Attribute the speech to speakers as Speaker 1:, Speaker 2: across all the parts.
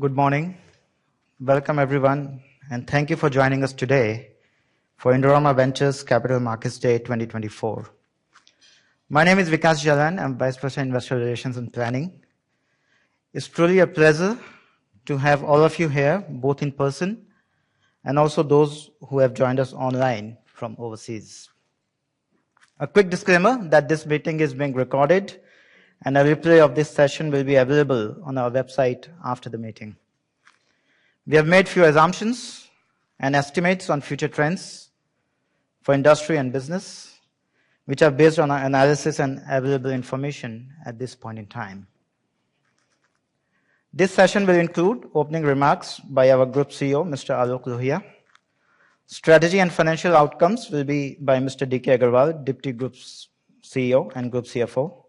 Speaker 1: Good morning. Welcome, everyone, and thank you for joining us today for Indorama Ventures Capital Markets Day 2024. My name is Vikash Jalan. I'm Vice President, Investor Relations and Planning. It's truly a pleasure to have all of you here, both in person and also those who have joined us online from overseas. A quick disclaimer that this meeting is being recorded, and a replay of this session will be available on our website after the meeting. We have made few assumptions and estimates on future trends for industry and business, which are based on our analysis and available information at this point in time. This session will include opening remarks by our Group CEO, Mr. Aloke Lohia. Strategy and financial outcomes will be by Mr. DK Agarwal, Deputy Group CEO and Group CFO.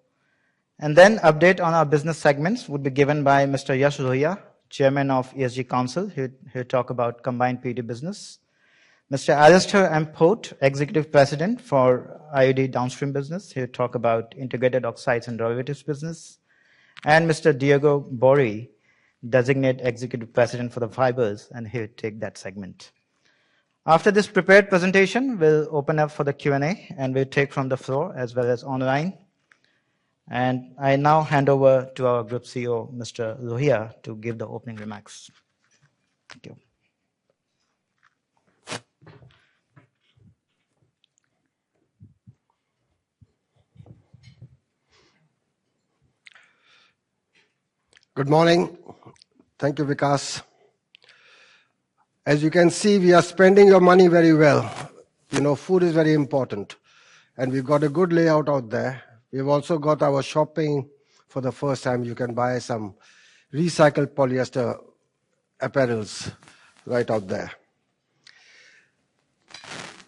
Speaker 1: Then update on our business segments would be given by Mr. Yash Lohia, Chairman of ESG Council. He'll talk about Combined PET business. Mr. Alastair Port, Executive President for IOD Downstream business. He'll talk about Integrated Oxides and Derivatives business. Mr. Diego Boeri, Designate Executive President for the Fibers, and he'll take that segment. After this prepared presentation, we'll open up for the Q&A, and we'll take from the floor as well as online. I now hand over to our Group CEO, Mr. Aloke Lohia, to give the opening remarks. Thank you.
Speaker 2: Good morning. Thank you, Vikash. As you can see, we are spending your money very well. You know, food is very important, and we've got a good layout out there. We've also got our shopping for the first time. You can buy some recycled polyester apparels right out there.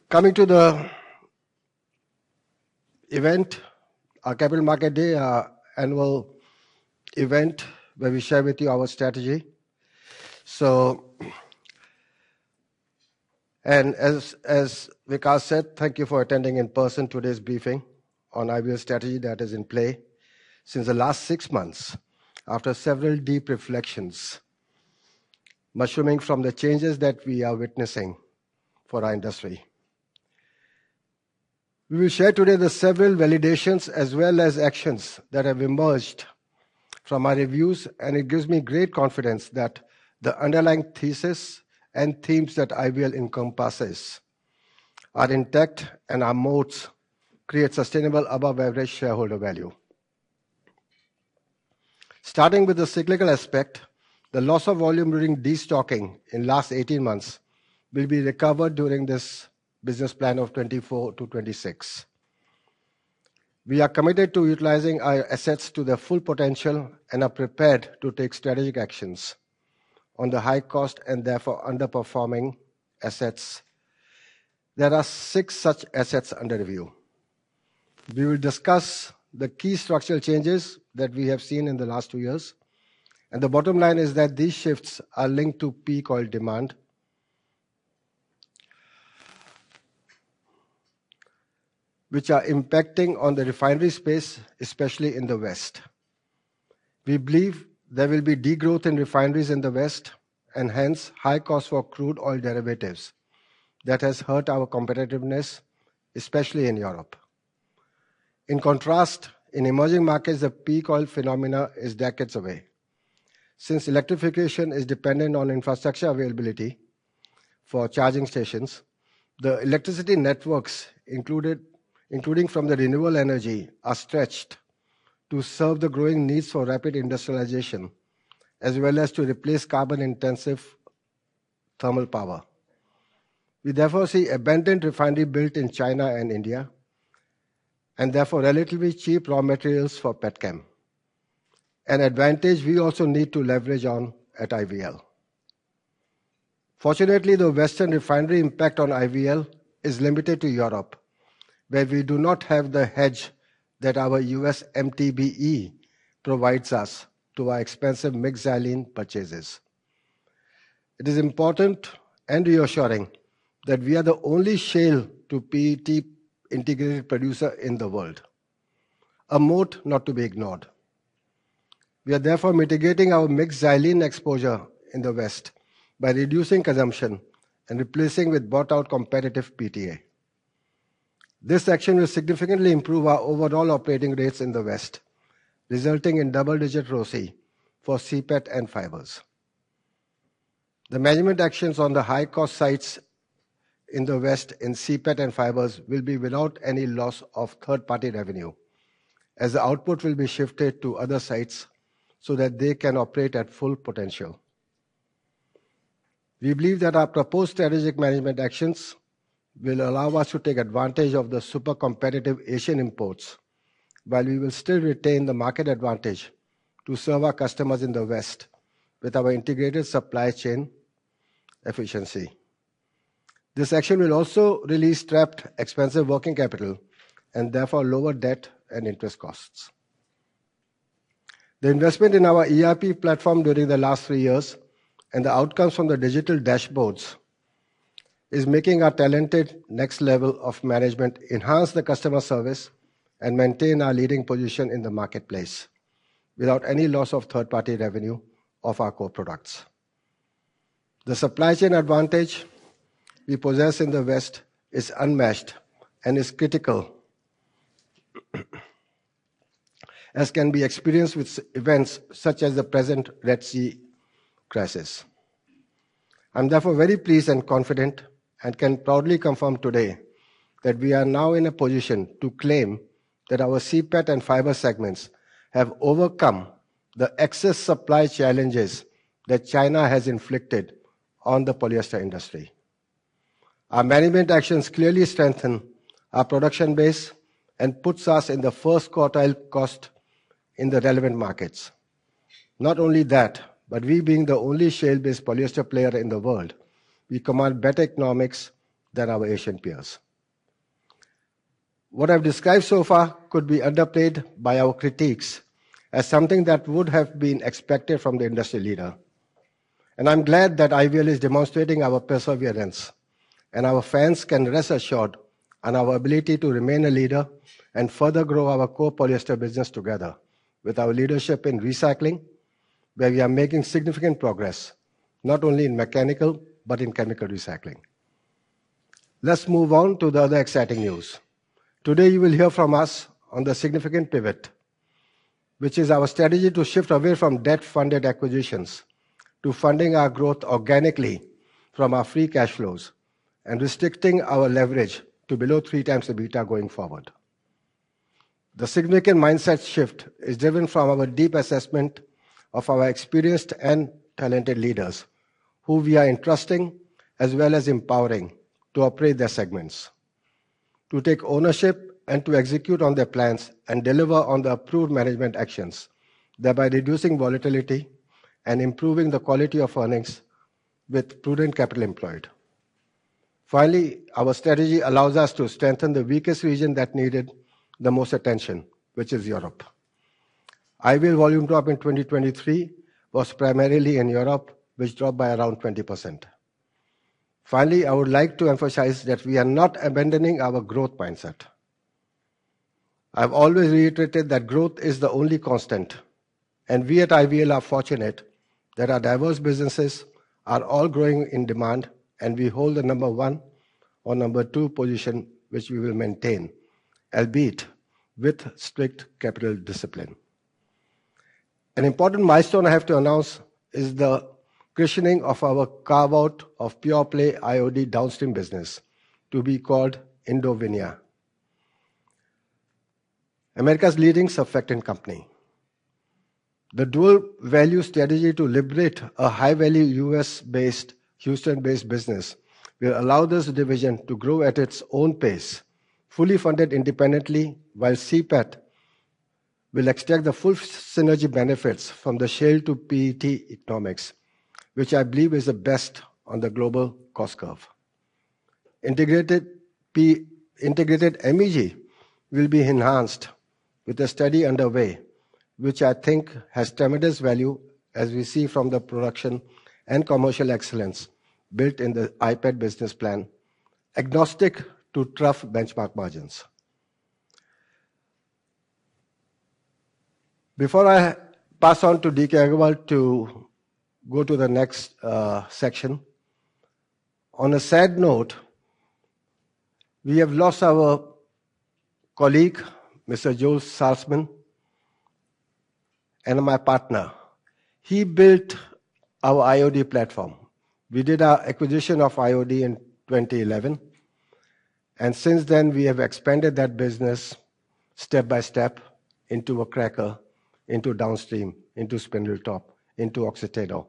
Speaker 2: Coming to the event, our Capital Market Day, our annual event where we share with you our strategy. As Vikash said, thank you for attending in person today's briefing on IVL strategy that is in play since the last six months, after several deep reflections mushrooming from the changes that we are witnessing for our industry. We will share today the several validations as well as actions that have emerged from our reviews, and it gives me great confidence that the underlying thesis and themes that IVL encompasses are intact and our moats create sustainable above-average shareholder value. Starting with the cyclical aspect, the loss of volume during destocking in last 18 months will be recovered during this business plan of 2024-2026. We are committed to utilizing our assets to their full potential and are prepared to take strategic actions on the high cost and therefore underperforming assets. There are six such assets under review. We will discuss the key structural changes that we have seen in the last two years. The bottom line is that these shifts are linked to peak oil demand, which are impacting on the refinery space, especially in the West. We believe there will be degrowth in refineries in the West and hence high cost for crude oil derivatives. That has hurt our competitiveness, especially in Europe. In contrast, in emerging markets, the peak oil phenomenon is decades away. Since electrification is dependent on infrastructure availability for charging stations, the electricity networks included, including from the renewable energy, are stretched to serve the growing needs for rapid industrialization as well as to replace carbon-intensive thermal power. We therefore see abundant refinery built in China and India, and therefore relatively cheap raw materials for Petchem. An advantage we also need to leverage on at IVL. Fortunately, the Western refinery impact on IVL is limited to Europe, where we do not have the hedge that our U.S. MTBE provides us to our expensive metaxylene purchases. It is important and reassuring that we are the only shale-to-PET integrated producer in the world. A moat not to be ignored. We are therefore mitigating our metaxylene exposure in the West by reducing consumption and replacing with bought out competitive PTA. This action will significantly improve our overall operating rates in the West, resulting in double-digit ROCE for CPET and fibers. The management actions on the high cost sites in the West in CPET and fibers will be without any loss of third-party revenue, as the output will be shifted to other sites so that they can operate at full potential. We believe that our proposed strategic management actions will allow us to take advantage of the super competitive Asian imports, while we will still retain the market advantage to serve our customers in the West with our integrated supply chain efficiency. This action will also release trapped expensive working capital and therefore lower debt and interest costs. The investment in our ERP platform during the last three years and the outcomes from the digital dashboards is making our talented next level of management enhance the customer service and maintain our leading position in the marketplace without any loss of third-party revenue of our core products. The supply chain advantage we possess in the West is unmatched and is critical, as can be experienced with events such as the present Red Sea crisis. I'm therefore very pleased and confident, and can proudly confirm today that we are now in a position to claim that our CPET and fiber segments have overcome the excess supply challenges that China has inflicted on the polyester industry. Our management actions clearly strengthen our production base and put us in the first quartile cost in the relevant markets. Not only that, we being the only shale-based polyester player in the world, we command better economics than our Asian peers. What I've described so far could be interpreted by our critics as something that would have been expected from the industry leader. I'm glad that IVL is demonstrating our perseverance, and our fans can rest assured on our ability to remain a leader and further grow our core polyester business together with our leadership in recycling, where we are making significant progress, not only in mechanical but in chemical recycling. Let's move on to the other exciting news. Today you will hear from us on the significant pivot, which is our strategy to shift away from debt-funded acquisitions to funding our growth organically from our free cash flows and restricting our leverage to below 3x EBITDA going forward. The significant mindset shift is driven from our deep assessment of our experienced and talented leaders who we are entrusting as well as empowering to operate their segments, to take ownership and to execute on their plans and deliver on the approved management actions, thereby reducing volatility and improving the quality of earnings with prudent capital employed. Our strategy allows us to strengthen the weakest region that needed the most attention, which is Europe. IVL volume drop in 2023 was primarily in Europe, which dropped by around 20%. I would like to emphasize that we are not abandoning our growth mindset. I've always reiterated that growth is the only constant, and we at IVL are fortunate that our diverse businesses are all growing in demand, and we hold the number one or number two position, which we will maintain, albeit with strict capital discipline. An important milestone I have to announce is the cushioning of our carve-out of pure-play IOD Downstream business to be called Indovinya, America's leading surfactant company. The dual value strategy to liberate a high-value U.S.-based, Houston-based business will allow this division to grow at its own pace, fully funded independently, while CPET will extract the full synergy benefits from the shale to PET economics, which I believe is the best on the global cost curve. Integrated MEG will be enhanced with a study underway, which I think has tremendous value as we see from the production and commercial excellence built in the PET business plan, agnostic to trough benchmark margins. Before I pass on to D.K. Agarwal to go to the next section. On a sad note, we have lost our colleague, Mr. Joel Saltzman and my partner. He built our IOD platform. We did our acquisition of IOD in 2011, and since then, we have expanded that business step by step into a cracker, into downstream, into Spindletop, into Oxiteno,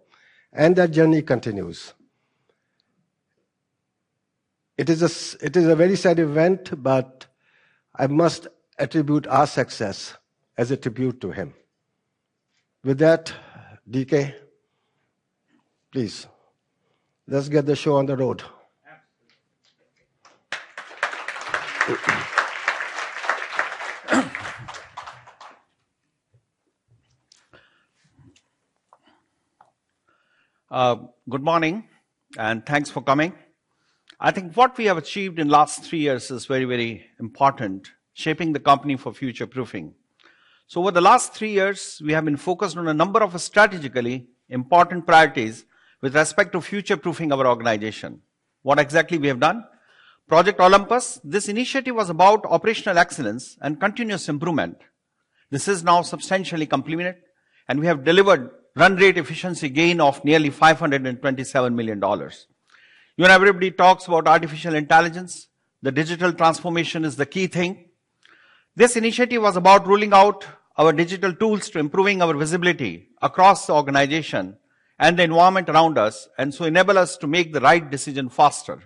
Speaker 2: and that journey continues. It is a very sad event, but I must attribute our success as a tribute to him. With that, DK, please let's get the show on the road.
Speaker 3: Good morning and thanks for coming. I think what we have achieved in last three years is very, very important, shaping the company for future-proofing. Over the last three years, we have been focused on a number of strategically important priorities with respect to future-proofing our organization. What exactly we have done? Project Olympus. This initiative was about operational excellence and continuous improvement. This is now substantially completed, and we have delivered run rate efficiency gain of nearly $527 million. You know, everybody talks about artificial intelligence. The digital transformation is the key thing. This initiative was about rolling out our digital tools to improving our visibility across the organization and the environment around us, and so enable us to make the right decision faster.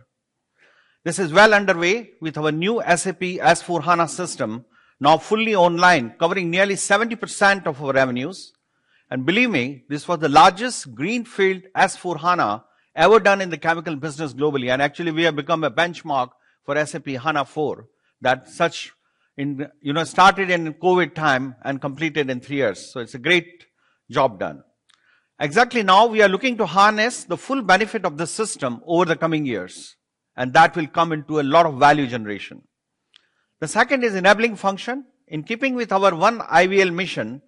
Speaker 3: This is well underway with our new SAP S/4HANA system now fully online, covering nearly 70% of our revenues. Believe me, this was the largest greenfield SAP S/4HANA ever done in the chemical business globally. Actually we have become a benchmark for SAP S/4HANA. You know, started in COVID time and completed in three years. It's a great job done. Exactly now we are looking to harness the full benefit of the system over the coming years, and that will come into a lot of value generation. The second is enabling function. In keeping with our one IVL mission,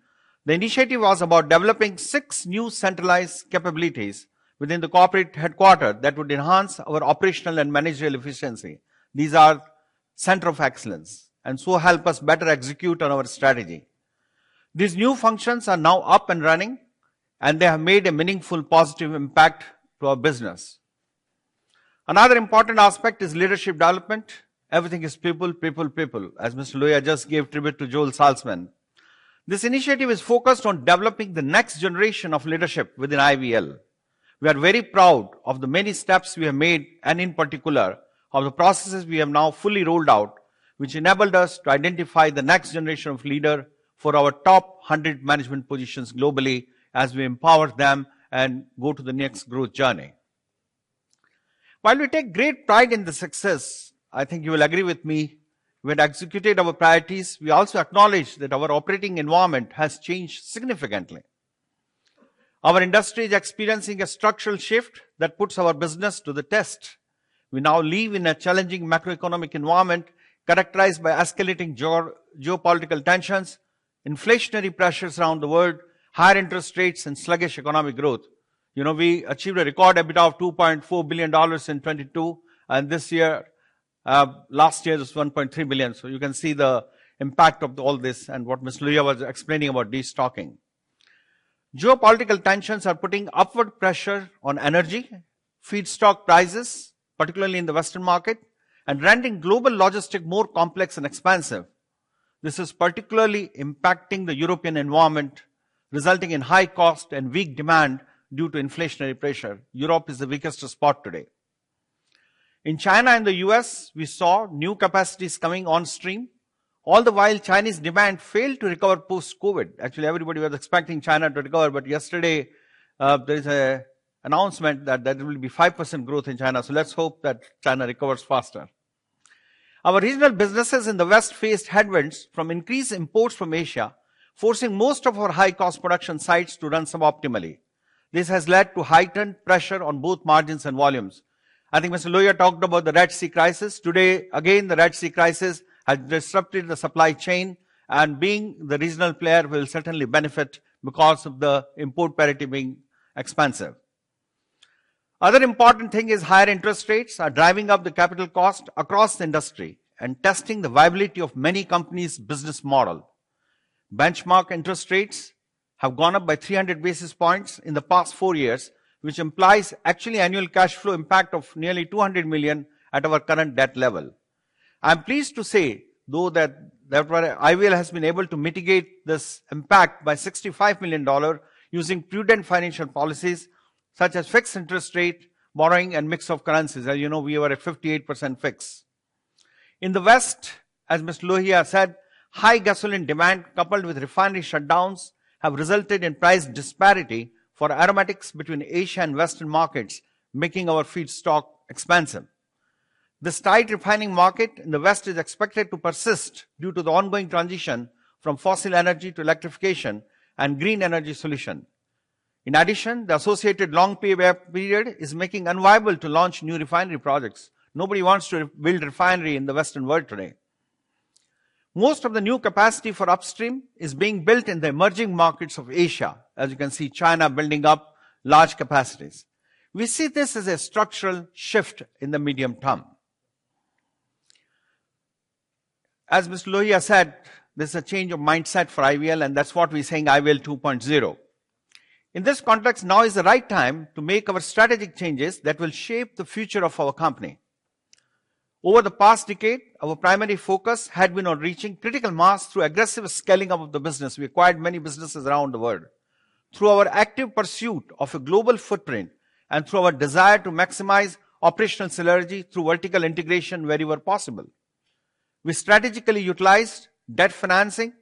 Speaker 3: the initiative was about developing six new centralized capabilities within the corporate headquarters that would enhance our operational and managerial efficiency. These are centers of excellence and so help us better execute on our strategy. These new functions are now up and running, and they have made a meaningful positive impact to our business. Another important aspect is leadership development. Everything is people, people, as Mr. Lohia just gave tribute to Joel Saltzman. This initiative is focused on developing the next generation of leadership within IVL. We are very proud of the many steps we have made, and in particular, of the processes we have now fully rolled out, which enabled us to identify the next generation of leader for our top 100 management positions globally as we empower them and go to the next growth journey. While we take great pride in the success, I think you will agree with me, we had executed our priorities, we also acknowledge that our operating environment has changed significantly. Our industry is experiencing a structural shift that puts our business to the test. We now live in a challenging macroeconomic environment characterized by escalating geopolitical tensions, inflationary pressures around the world, higher interest rates and sluggish economic growth. You know, we achieved a record EBITDA of $2.4 billion in 2022, and this year, last year it was $1.3 billion. You can see the impact of all this and what Mr. Lohia was explaining about destocking. Geopolitical tensions are putting upward pressure on energy, feedstock prices, particularly in the Western market, and rendering global logistics more complex and expensive. This is particularly impacting the European environment, resulting in high costs and weak demand due to inflationary pressure. Europe is the weakest spot today. In China and the U.S., we saw new capacities coming on stream. All the while, Chinese demand failed to recover post-COVID. Actually, everybody was expecting China to recover. Yesterday, there is a announcement that there will be 5% growth in China. Let's hope that China recovers faster. Our regional businesses in the West faced headwinds from increased imports from Asia, forcing most of our high-cost production sites to run suboptimally. This has led to heightened pressure on both margins and volumes. I think Mr. Lohia talked about the Red Sea crisis. Today, again, the Red Sea crisis has disrupted the supply chain and being the regional player will certainly benefit because of the import parity being expensive. Other important thing is higher interest rates are driving up the capital cost across the industry and testing the viability of many companies' business model. Benchmark interest rates have gone up by 300 basis points in the past four years, which implies actually annual cash flow impact of nearly $200 million at our current debt level. I'm pleased to say, though, that the IVL has been able to mitigate this impact by $65 million using prudent financial policies such as fixed interest rate, borrowing, and mix of currencies. As you know, we were at 58% fixed. In the West, as Mr. Lohia has said, high gasoline demand coupled with refinery shutdowns have resulted in price disparity for aromatics between Asia and Western markets, making our feedstock expensive. This tight refining market in the West is expected to persist due to the ongoing transition from fossil energy to electrification and green energy solution. In addition, the associated long pay period is making unviable to launch new refinery projects. Nobody wants to build refinery in the Western world today. Most of the new capacity for upstream is being built in the emerging markets of Asia. As you can see, China building up large capacities. We see this as a structural shift in the medium term. As Mr. Lohia has said, this is a change of mindset for IVL, and that's what we're saying, IVL 2.0. In this context, now is the right time to make our strategic changes that will shape the future of our company. Over the past decade, our primary focus had been on reaching critical mass through aggressive scaling of the business. We acquired many businesses around the world. Through our active pursuit of a global footprint and through our desire to maximize operational synergy through vertical integration wherever possible. We strategically utilized debt financing,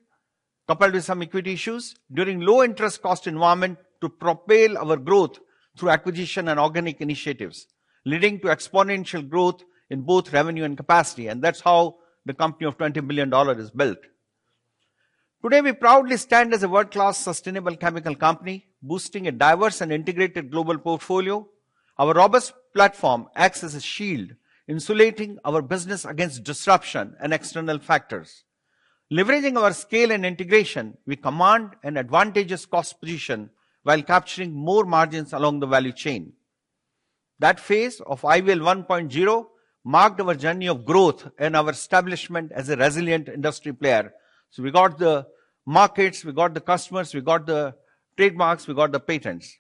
Speaker 3: coupled with some equity issues, during low interest cost environment to propel our growth through acquisition and organic initiatives, leading to exponential growth in both revenue and capacity. That's how the company of $20 billion is built. Today, we proudly stand as a world-class sustainable chemical company, boosting a diverse and integrated global portfolio. Our robust platform acts as a shield, insulating our business against disruption and external factors. Leveraging our scale and integration, we command an advantageous cost position while capturing more margins along the value chain. That phase of IVL 1.0 marked our journey of growth and our establishment as a resilient industry player. We got the markets, we got the customers, we got the trademarks, we got the patents.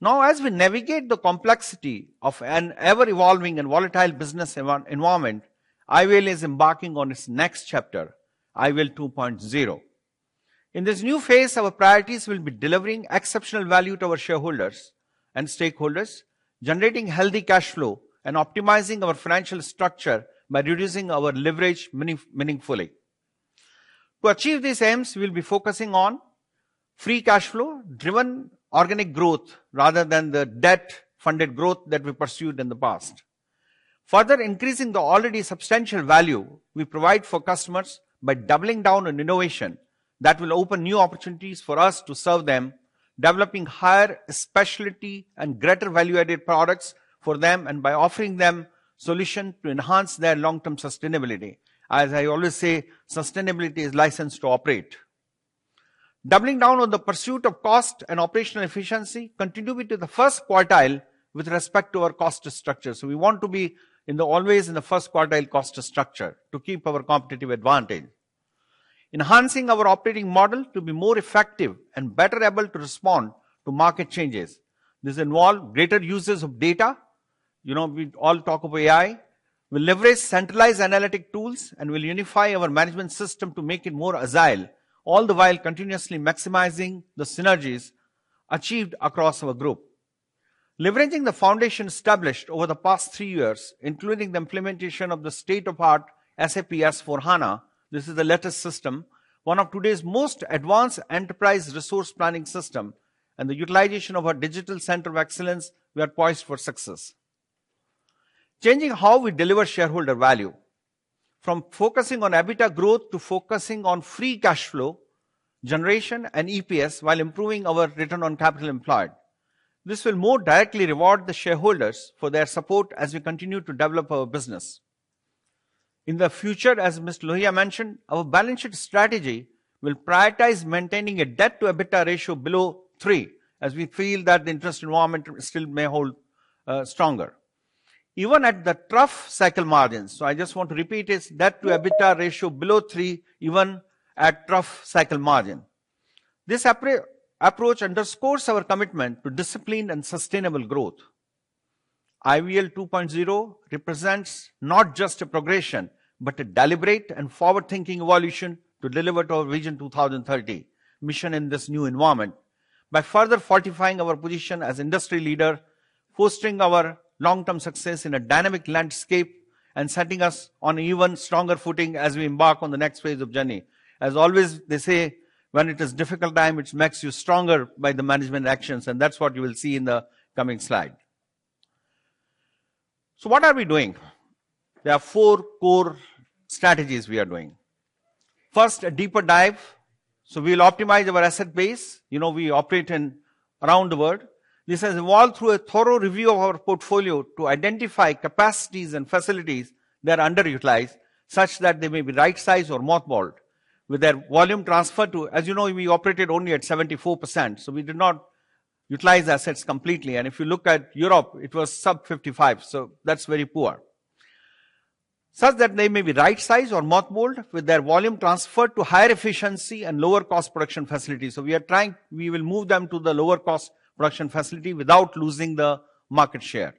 Speaker 3: Now as we navigate the complexity of an ever-evolving and volatile business environment, IVL is embarking on its next chapter, IVL 2.0. In this new phase, our priorities will be delivering exceptional value to our shareholders and stakeholders, generating healthy cash flow, and optimizing our financial structure by reducing our leverage meaningfully. To achieve these aims, we'll be focusing on free cash flow-driven organic growth rather than the debt-funded growth that we pursued in the past. Further increasing the already substantial value we provide for customers by doubling down on innovation that will open new opportunities for us to serve them, developing higher specialty and greater value-added products for them, and by offering them solutions to enhance their long-term sustainability. As I always say, sustainability is licensed to operate. Doubling down on the pursuit of cost and operational efficiency continue into the first quartile with respect to our cost structure. We want to be always in the first quartile cost structure to keep our competitive advantage. Enhancing our operating model to be more effective and better able to respond to market changes. This involve greater users of data. You know, we all talk of AI. We leverage centralized analytic tools, and we'll unify our management system to make it more agile, all the while continuously maximizing the synergies achieved across our group. Leveraging the foundation established over the past three years, including the implementation of the state-of-art SAP S/4HANA, this is the latest system, one of today's most advanced enterprise resource planning system, and the utilization of our digital center of excellence, we are poised for success. Changing how we deliver shareholder value from focusing on EBITDA growth to focusing on free cash flow generation and EPS while improving our ROCE. This will more directly reward the shareholders for their support as we continue to develop our business. In the future, as Mr. Lohia mentioned, our balance sheet strategy will prioritize maintaining a debt to EBITDA ratio below 3x as we feel that the interest environment still may hold stronger. Even at the trough cycle margins, so I just want to repeat is debt to EBITDA ratio below 3x even at trough cycle margin. This approach underscores our commitment to discipline and sustainable growth. IVL 2.0 represents not just a progression, but a deliberate and forward-thinking evolution to deliver to our Vision 2030 mission in this new environment. By further fortifying our position as industry leader, fostering our long-term success in a dynamic landscape, and setting us on even stronger footing as we embark on the next phase of journey. As always, they say when it is difficult time, it makes you stronger by the management actions, and that's what you will see in the coming slide. What are we doing? There are four core strategies we are doing. First, a deeper dive. We'll optimize our asset base. You know, we operate in around the world. This has involved through a thorough review of our portfolio to identify capacities and facilities that are underutilized, such that they may be right-sized or mothballed with their volume transferred to. As you know, we operated only at 74%, we did not utilize assets completely. If you look at Europe, it was sub 55%, so that's very poor. Such that they may be right-sized or mothballed with their volume transferred to higher efficiency and lower cost production facilities. We will move them to the lower cost production facility without losing the market share.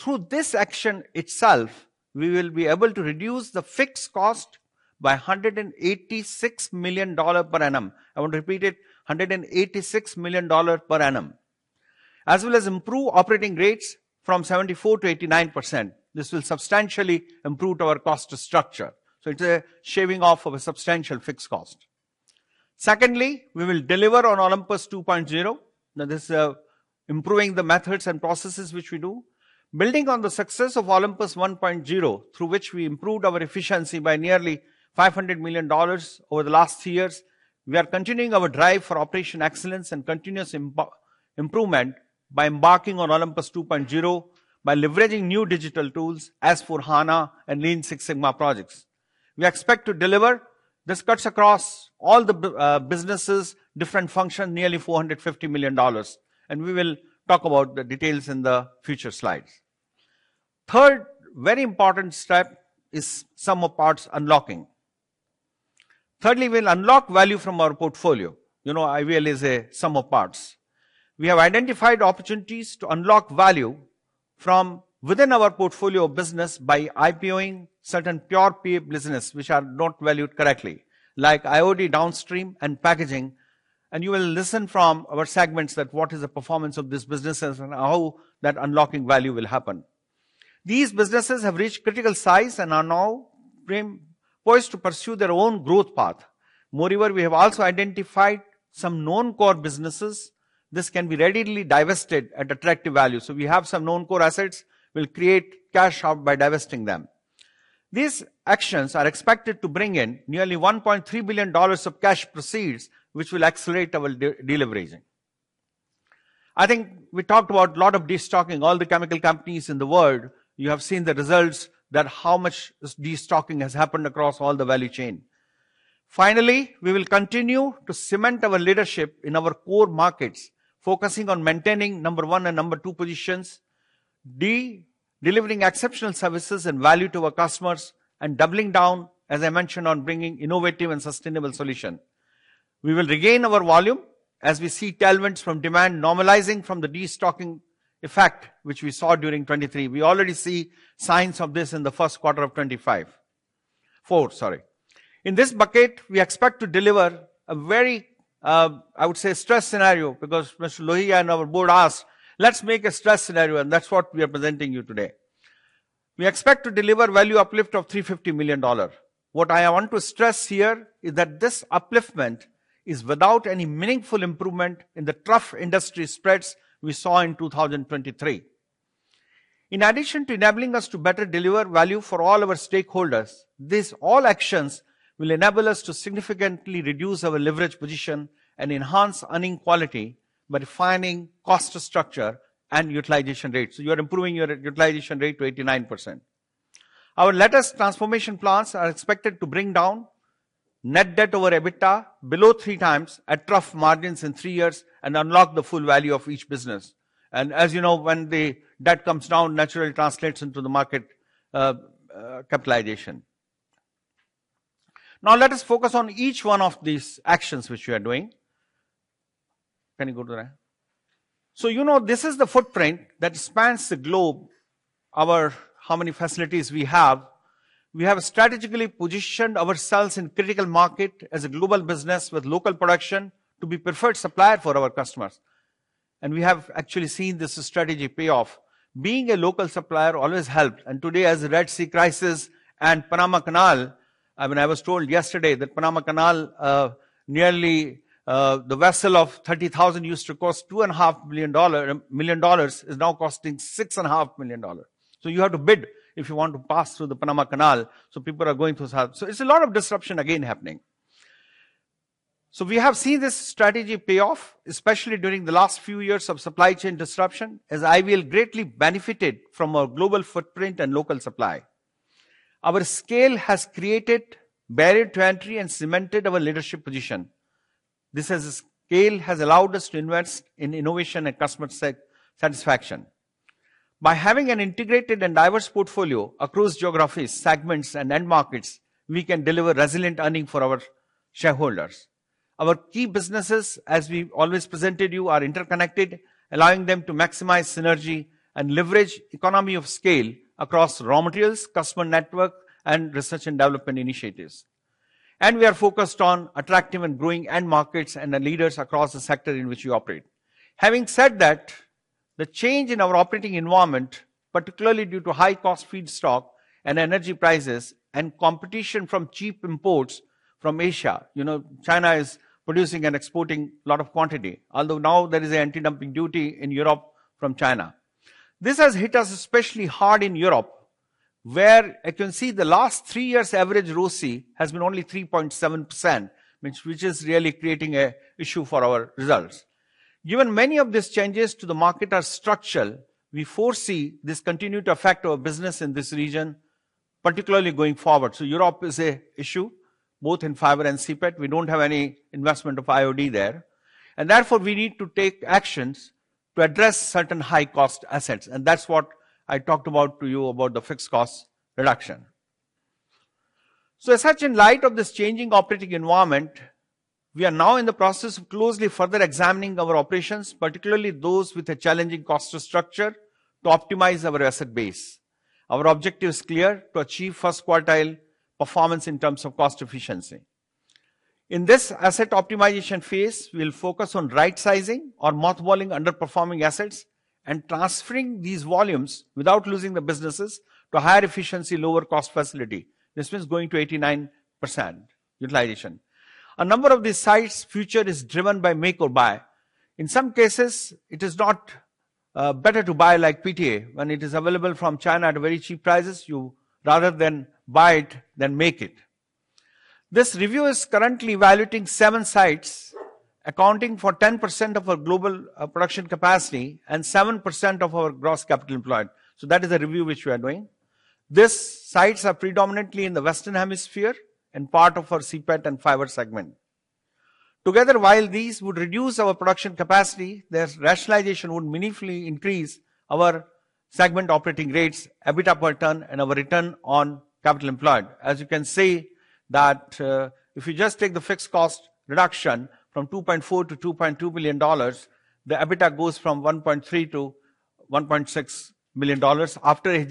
Speaker 3: Through this action itself, we will be able to reduce the fixed cost by $186 million per annum. I want to repeat it, $186 million per annum. As well as improve operating rates from 74%-89%. This will substantially improve our cost structure. It's a shaving off of a substantial fixed cost. Secondly, we will deliver on Olympus 2.0. Now, this, improving the methods and processes which we do. Building on the success of Olympus 1.0, through which we improved our efficiency by nearly $500 million over the last three years, we are continuing our drive for operation excellence and continuous improvement by embarking on Olympus 2.0 by leveraging new digital tools S/4HANA and Lean Six Sigma projects. We expect to deliver. This cuts across all the businesses, different function, nearly $450 million, We will talk about the details in the future slides. Third very important step is sum of parts unlocking. Thirdly, we'll unlock value from our portfolio. You know, IVL is a sum of parts. We have identified opportunities to unlock value from within our portfolio business by IPO-ing certain pure-play business which are not valued correctly, like IOD Downstream and packaging. You will listen from our segments that what is the performance of these businesses and how that unlocking value will happen. These businesses have reached critical size and are now poised to pursue their own growth path. We have also identified some non-core businesses. This can be readily divested at attractive value. We have some non-core assets. We'll create cash out by divesting them. These actions are expected to bring in nearly $1.3 billion of cash proceeds, which will accelerate our deleveraging. I think we talked about a lot of destocking, all the chemical companies in the world. You have seen the results that how much this destocking has happened across all the value chain. Finally, we will continue to cement our leadership in our core markets, focusing on maintaining number one and number two positions, delivering exceptional services and value to our customers, and doubling down, as I mentioned, on bringing innovative and sustainable solutions. We will regain our volume as we see tailwinds from demand normalizing from the destocking effect which we saw during 2023. We already see signs of this in the first quarter of 2024. In this bucket, we expect to deliver a very, I would say stress scenario because Mr. Lohia and our board asked, let's make a stress scenario, and that's what we are presenting you today. We expect to deliver value uplift of $350 million. What I want to stress here is that this upliftment is without any meaningful improvement in the tough industry spreads we saw in 2023. In addition to enabling us to better deliver value for all our stakeholders, these all actions will enable us to significantly reduce our leverage position and enhance earning quality by refining cost structure and utilization rates. You're improving your utilization rate to 89%. Our latest transformation plans are expected to bring down net debt over EBITDA below 3x at trough margins in three years and unlock the full value of each business. As you know, when the debt comes down, naturally translates into the market capitalization. Now, let us focus on each one of these actions which we are doing. Can you go to the... You know, this is the footprint that spans the globe, our how many facilities we have. We have strategically positioned ourselves in critical market as a global business with local production to be preferred supplier for our customers, and we have actually seen this strategy pay off. Being a local supplier always helped. Today as the Red Sea crisis and Panama Canal, I mean, I was told yesterday that Panama Canal, the vessel of 30,000 used to cost $2.5 million is now costing $6.5 million. You have to bid if you want to pass through the Panama Canal, so people are going to south. It's a lot of disruption again happening. We have seen this strategy pay off, especially during the last few years of supply chain disruption, as IVL greatly benefited from our global footprint and local supply. Our scale has created barrier to entry and cemented our leadership position. Scale has allowed us to invest in innovation and customer satisfaction. By having an integrated and diverse portfolio across geographies, segments, and end markets, we can deliver resilient earning for our shareholders. Our key businesses, as we've always presented you, are interconnected, allowing them to maximize synergy and leverage economy of scale across raw materials, customer network, and research and development initiatives. We are focused on attractive and growing end markets and the leaders across the sector in which we operate. Having said that, the change in our operating environment, particularly due to high-cost feedstock and energy prices and competition from cheap imports from Asia, you know, China is producing and exporting a lot of quantity, although now there is an anti-dumping duty in Europe from China. This has hit us especially hard in Europe, where you can see the last three years average ROCE has been only 3.7%, which is really creating an issue for our results. Given many of these changes to the market are structural, we foresee this continue to affect our business in this region, particularly going forward. Europe is an issue both in fiber and CPET. We don't have any investment of IOD there, and therefore, we need to take actions to address certain high-cost assets, and that's what I talked about to you about the fixed cost reduction. As such, in light of this changing operating environment, we are now in the process of closely further examining our operations, particularly those with a challenging cost structure, to optimize our asset base. Our objective is clear: to achieve first quartile performance in terms of cost efficiency. In this asset optimization phase, we'll focus on right sizing or mothballing underperforming assets and transferring these volumes without losing the businesses to higher efficiency, lower cost facility. This means going to 89% utilization. A number of these sites' future is driven by make or buy. In some cases, it is not better to buy like PTA. When it is available from China at very cheap prices, you rather than buy it than make it. This review is currently evaluating seven sites accounting for 10% of our global production capacity and 7% of our gross capital employed. That is a review which we are doing. These sites are predominantly in the Western Hemisphere and part of our CPET and fiber segment. Together, while these would reduce our production capacity, their rationalization would meaningfully increase our segment operating rates, EBITDA per ton, and our ROCE. As you can see that, if you just take the fixed cost reduction from $2.4 billion-$2.2 billion, the EBITDA goes from $1.3 billion-$1.6 billion after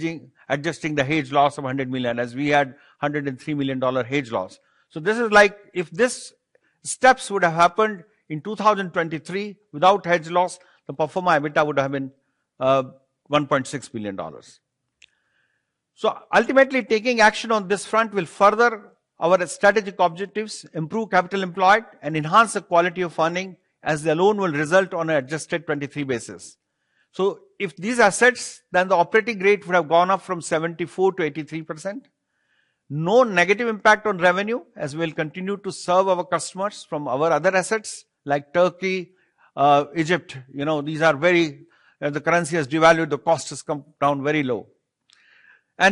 Speaker 3: adjusting the hedge loss of $100 million, as we had $103 million hedge loss. This is like if these steps would have happened in 2023 without hedge loss, the pro forma EBITDA would have been $1.6 billion. Ultimately, taking action on this front will further our strategic objectives, improve capital employed, and enhance the quality of funding, as the loan will result on an adjusted 2023 basis. If these assets, then the operating rate would have gone up from 74%-83%. No negative impact on revenue, as we'll continue to serve our customers from our other assets like Turkey, Egypt. You know, these are very. The currency has devalued, the cost has come down very low.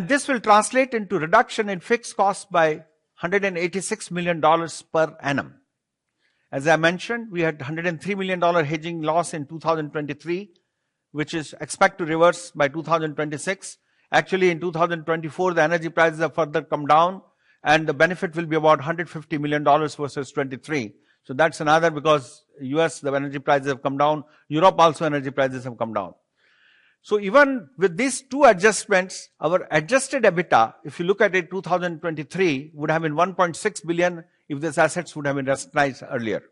Speaker 3: This will translate into reduction in fixed costs by $186 million per annum. As I mentioned, we had $103 million hedging loss in 2023, which is expect to reverse by 2026. Actually, in 2024, the energy prices have further come down, and the benefit will be about $150 million versus 2023. That's another because U.S., the energy prices have come down. Europe also, energy prices have come down. Even with these two adjustments, our adjusted EBITDA, if you look at in 2023, would have been $1.6 billion if these assets would have been rationalized earlier.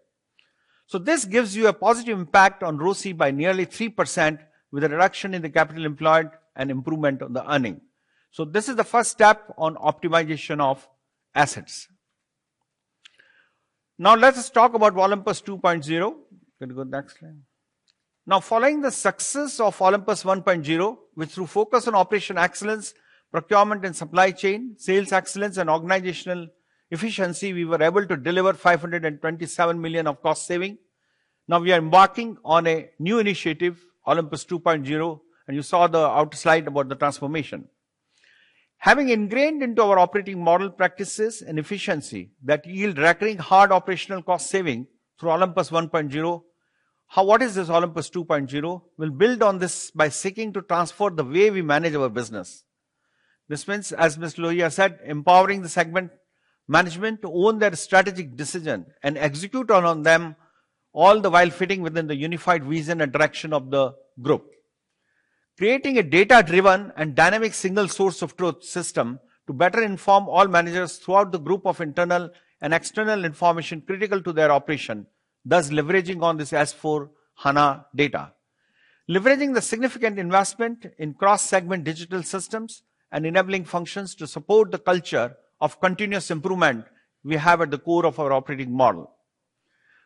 Speaker 3: This gives you a positive impact on ROCE by nearly 3% with a reduction in the capital employed and improvement on the earning. This is the first step on optimization of assets. Let us talk about Olympus 2.0. Can you go next slide? Following the success of Olympus 1.0, which through focus on operation excellence, procurement and supply chain, sales excellence, and organizational efficiency, we were able to deliver $527 million of cost saving. We are embarking on a new initiative, Olympus 2.0, and you saw the outer slide about the transformation. Having ingrained into our operating model practices and efficiency that yield recurring hard operational cost saving through Olympus 1.0. What is this Olympus 2.0? We'll build on this by seeking to transform the way we manage our business. This means, as Mr. Lohia said, empowering the segment management to own their strategic decision and execute on them, all the while fitting within the unified vision and direction of the group. Creating a data-driven and dynamic single source of truth system to better inform all managers throughout the group of internal and external information critical to their operation, thus leveraging on this SAP S/4HANA data. Leveraging the significant investment in cross-segment digital systems and enabling functions to support the culture of continuous improvement we have at the core of our operating model.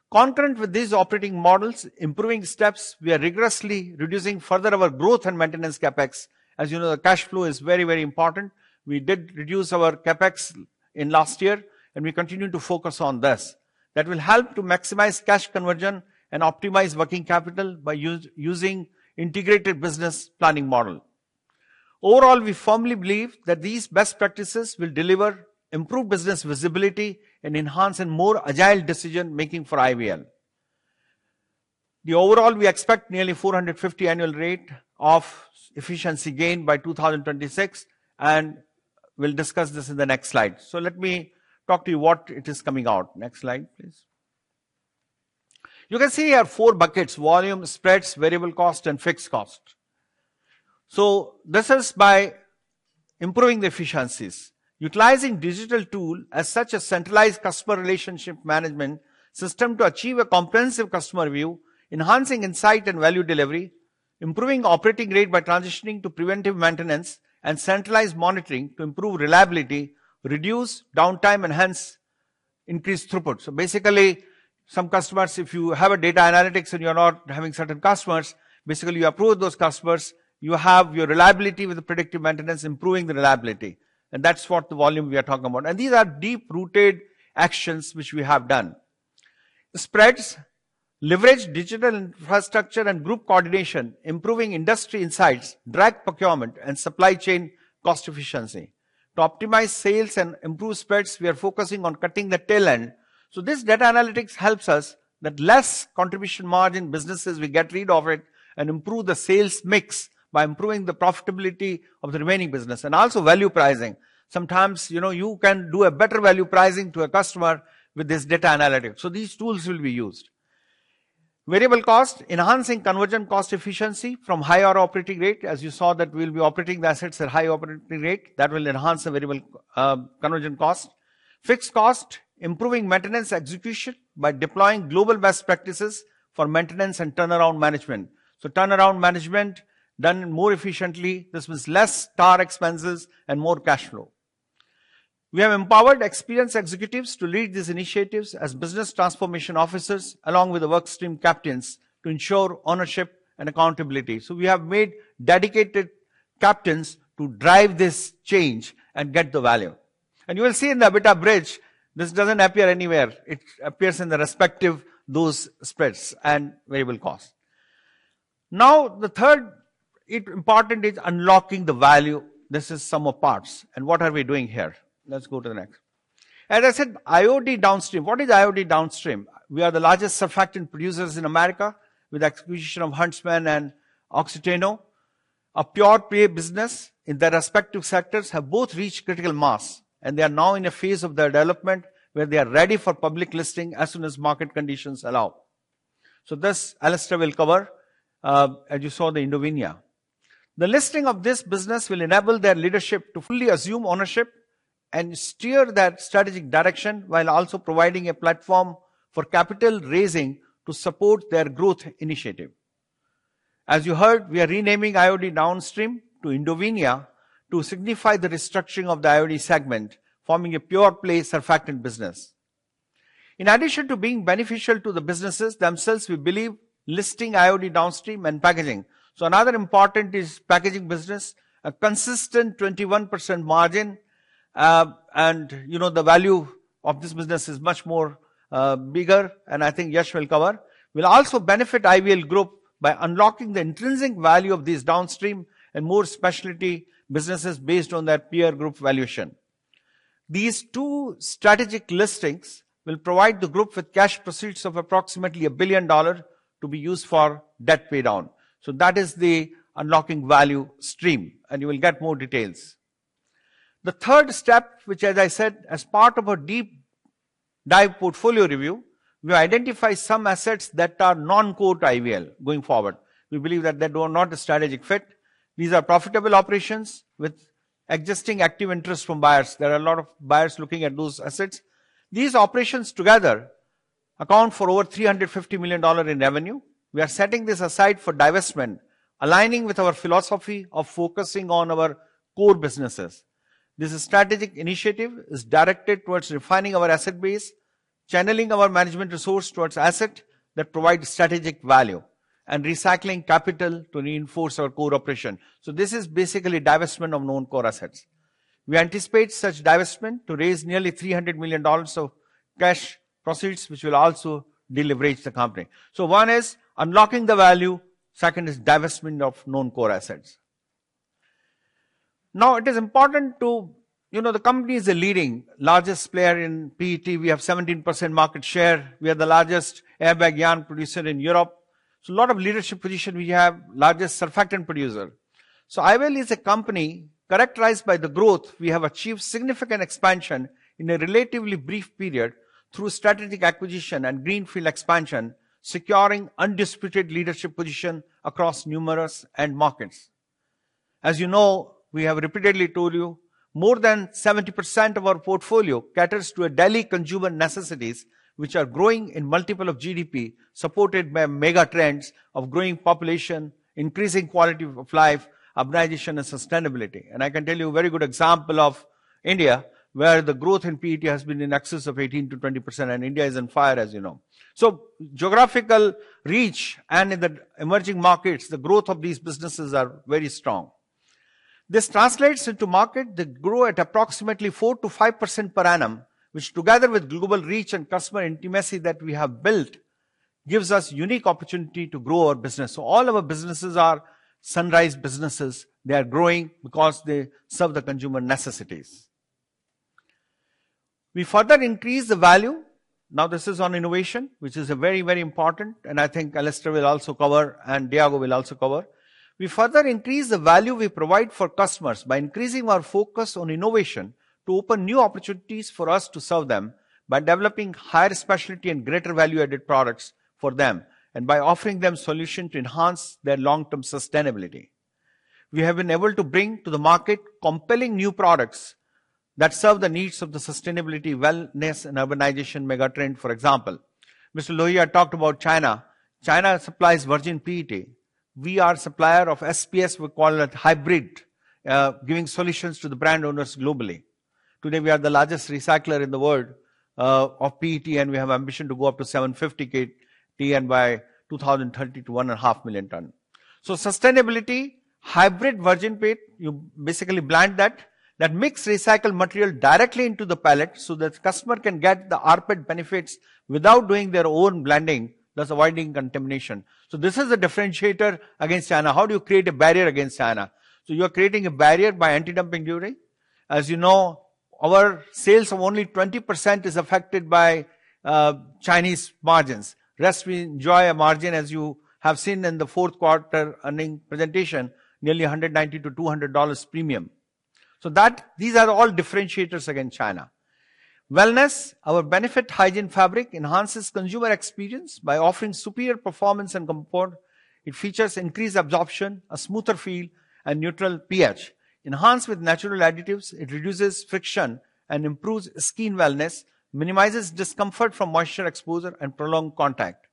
Speaker 3: Concurrent with these operating models, improving steps, we are rigorously reducing further our growth and maintenance CapEx. As you know, the cash flow is very important. We did reduce our CapEx in last year, and we continue to focus on this. That will help to maximize cash conversion and optimize working capital by using integrated business planning model. Overall, we firmly believe that these best practices will deliver improved business visibility and enhance a more agile decision-making for IVL. Overall, we expect nearly $450 annual rate of efficiency gain by 2026, and we'll discuss this in the next slide. Let me talk to you what it is coming out. Next slide, please. You can see here four buckets, volume, spreads, variable cost and fixed cost. This is by improving the efficiencies. Utilizing digital tool as such a centralized customer relationship management system to achieve a comprehensive customer view, enhancing insight and value delivery, improving operating rate by transitioning to preventive maintenance and centralized monitoring to improve reliability, reduce downtime, and hence increase throughput. Basically, some customers, if you have a data analytics and you're not having certain customers, basically you approve those customers. You have your reliability with the predictive maintenance, improving the reliability. That's what the volume we are talking about. These are deep-rooted actions which we have done. The spreads leverage digital infrastructure and group coordination, improving industry insights, direct procurement, and supply chain cost efficiency. To optimize sales and improve spreads, we are focusing on cutting the tail end. This data analytics helps us that less contribution margin businesses, we get rid of it and improve the sales mix by improving the profitability of the remaining business, and also value pricing. Sometimes, you know, you can do a better value pricing to a customer with this data analytics. These tools will be used. Variable cost, enhancing conversion cost efficiency from higher operating rate. As you saw that we'll be operating the assets at high operating rate. That will enhance the variable conversion cost. Fixed cost, improving maintenance execution by deploying global best practices for maintenance and turnaround management. Turnaround management done more efficiently. This means less TAR expenses and more cash flow. We have empowered experienced executives to lead these initiatives as business transformation officers along with the work stream captains to ensure ownership and accountability. We have made dedicated captains to drive this change and get the value. You will see in the EBITDA bridge, this doesn't appear anywhere. It appears in the respective those spreads and variable cost. Now, the third important is unlocking the value. This is sum of parts. What are we doing here? Let's go to the next. As I said, IOD Downstream. What is IOD Downstream? We are the largest surfactant producers in America with acquisition of Huntsman and Oxiteno. A pure-play business in their respective sectors have both reached critical mass, and they are now in a phase of their development where they are ready for public listing as soon as market conditions allow. This Alastair will cover, as you saw the Indovinya. The listing of this business will enable their leadership to fully assume ownership and steer their strategic direction while also providing a platform for capital raising to support their growth initiative. As you heard, we are renaming IOD Downstream to Indovinya to signify the restructuring of the IOD segment, forming a pure-play surfactant business. In addition to being beneficial to the businesses themselves, we believe listing IOD Downstream and packaging. Another important is packaging business. A consistent 21% margin, and you know the value of this business is much more bigger, and I think Yash will cover. Will also benefit IVL Group by unlocking the intrinsic value of these downstream and more specialty businesses based on their peer group valuation. These two strategic listings will provide the group with cash proceeds of approximately $1 billion to be used for debt paydown. That is the unlocking value stream, and you will get more details. The third step, which as I said, as part of a deep dive portfolio review, we identify some assets that are non-core to IVL going forward. We believe that they are not a strategic fit. These are profitable operations with existing active interest from buyers. There are a lot of buyers looking at those assets. These operations together account for over $350 million in revenue. We are setting this aside for divestment, aligning with our philosophy of focusing on our core businesses. This strategic initiative is directed towards refining our asset base, channeling our management resource towards asset that provide strategic value, and recycling capital to reinforce our core operation. This is basically divestment of non-core assets. We anticipate such divestment to raise nearly $300 million of cash proceeds, which will also deleverage the company. One is unlocking the value, second is divestment of non-core assets. Now, it is important to, you know, the company is a leading largest player in PET. We have 17% market share. We are the largest airbag yarn producer in Europe. A lot of leadership position we have, largest surfactant producer. IVL is a company characterized by the growth. We have achieved significant expansion in a relatively brief period through strategic acquisition and greenfield expansion, securing undisputed leadership position across numerous end markets. As you know, we have repeatedly told you, more than 70% of our portfolio caters to a daily consumer necessities, which are growing in multiple of GDP, supported by mega trends of growing population, increasing quality of life, urbanization, and sustainability. I can tell you a very good example of India, where the growth in PET has been in excess of 18%-20%, and India is on fire, as you know. Geographical reach and in the emerging markets, the growth of these businesses are very strong. This translates into market that grow at approximately 4%-5% per annum, which together with global reach and customer intimacy that we have built, gives us unique opportunity to grow our business. All our businesses are sunrise businesses. They are growing because they serve the consumer necessities. We further increase the value. This is on innovation, which is a very, very important, and I think Alastair will also cover, and Diego will also cover. We further increase the value we provide for customers by increasing our focus on innovation to open new opportunities for us to serve them by developing higher specialty and greater value-added products for them, and by offering them solution to enhance their long-term sustainability. We have been able to bring to the market compelling new products that serve the needs of the sustainability, wellness, and urbanization mega trend, for example. Mr. Lohia talked about China. China supplies virgin PET. We are supplier of SPS, we call it hybrid, giving solutions to the brand owners globally. Today, we are the largest recycler in the world, of PET, and we have ambition to go up to 750 KTA by 2030 to 1,500,000 tons. Sustainability, hybrid virgin PET, you basically blend that. That mix recycled material directly into the pellet so that customer can get the rPET benefits without doing their own blending, thus avoiding contamination. This is a differentiator against China. How do you create a barrier against China? You're creating a barrier by anti-dumping duty. As you know, our sales of only 20% is affected by Chinese margins. Rest we enjoy a margin, as you have seen in the fourth quarter earning presentation, nearly a $190-$200 premium. These are all differentiators against China. Wellness, our benefit hygiene fabric enhances consumer experience by offering superior performance and comfort. It features increased absorption, a smoother feel, and neutral pH. Enhanced with natural additives, it reduces friction and improves skin wellness, minimizes discomfort from moisture exposure and prolonged contact.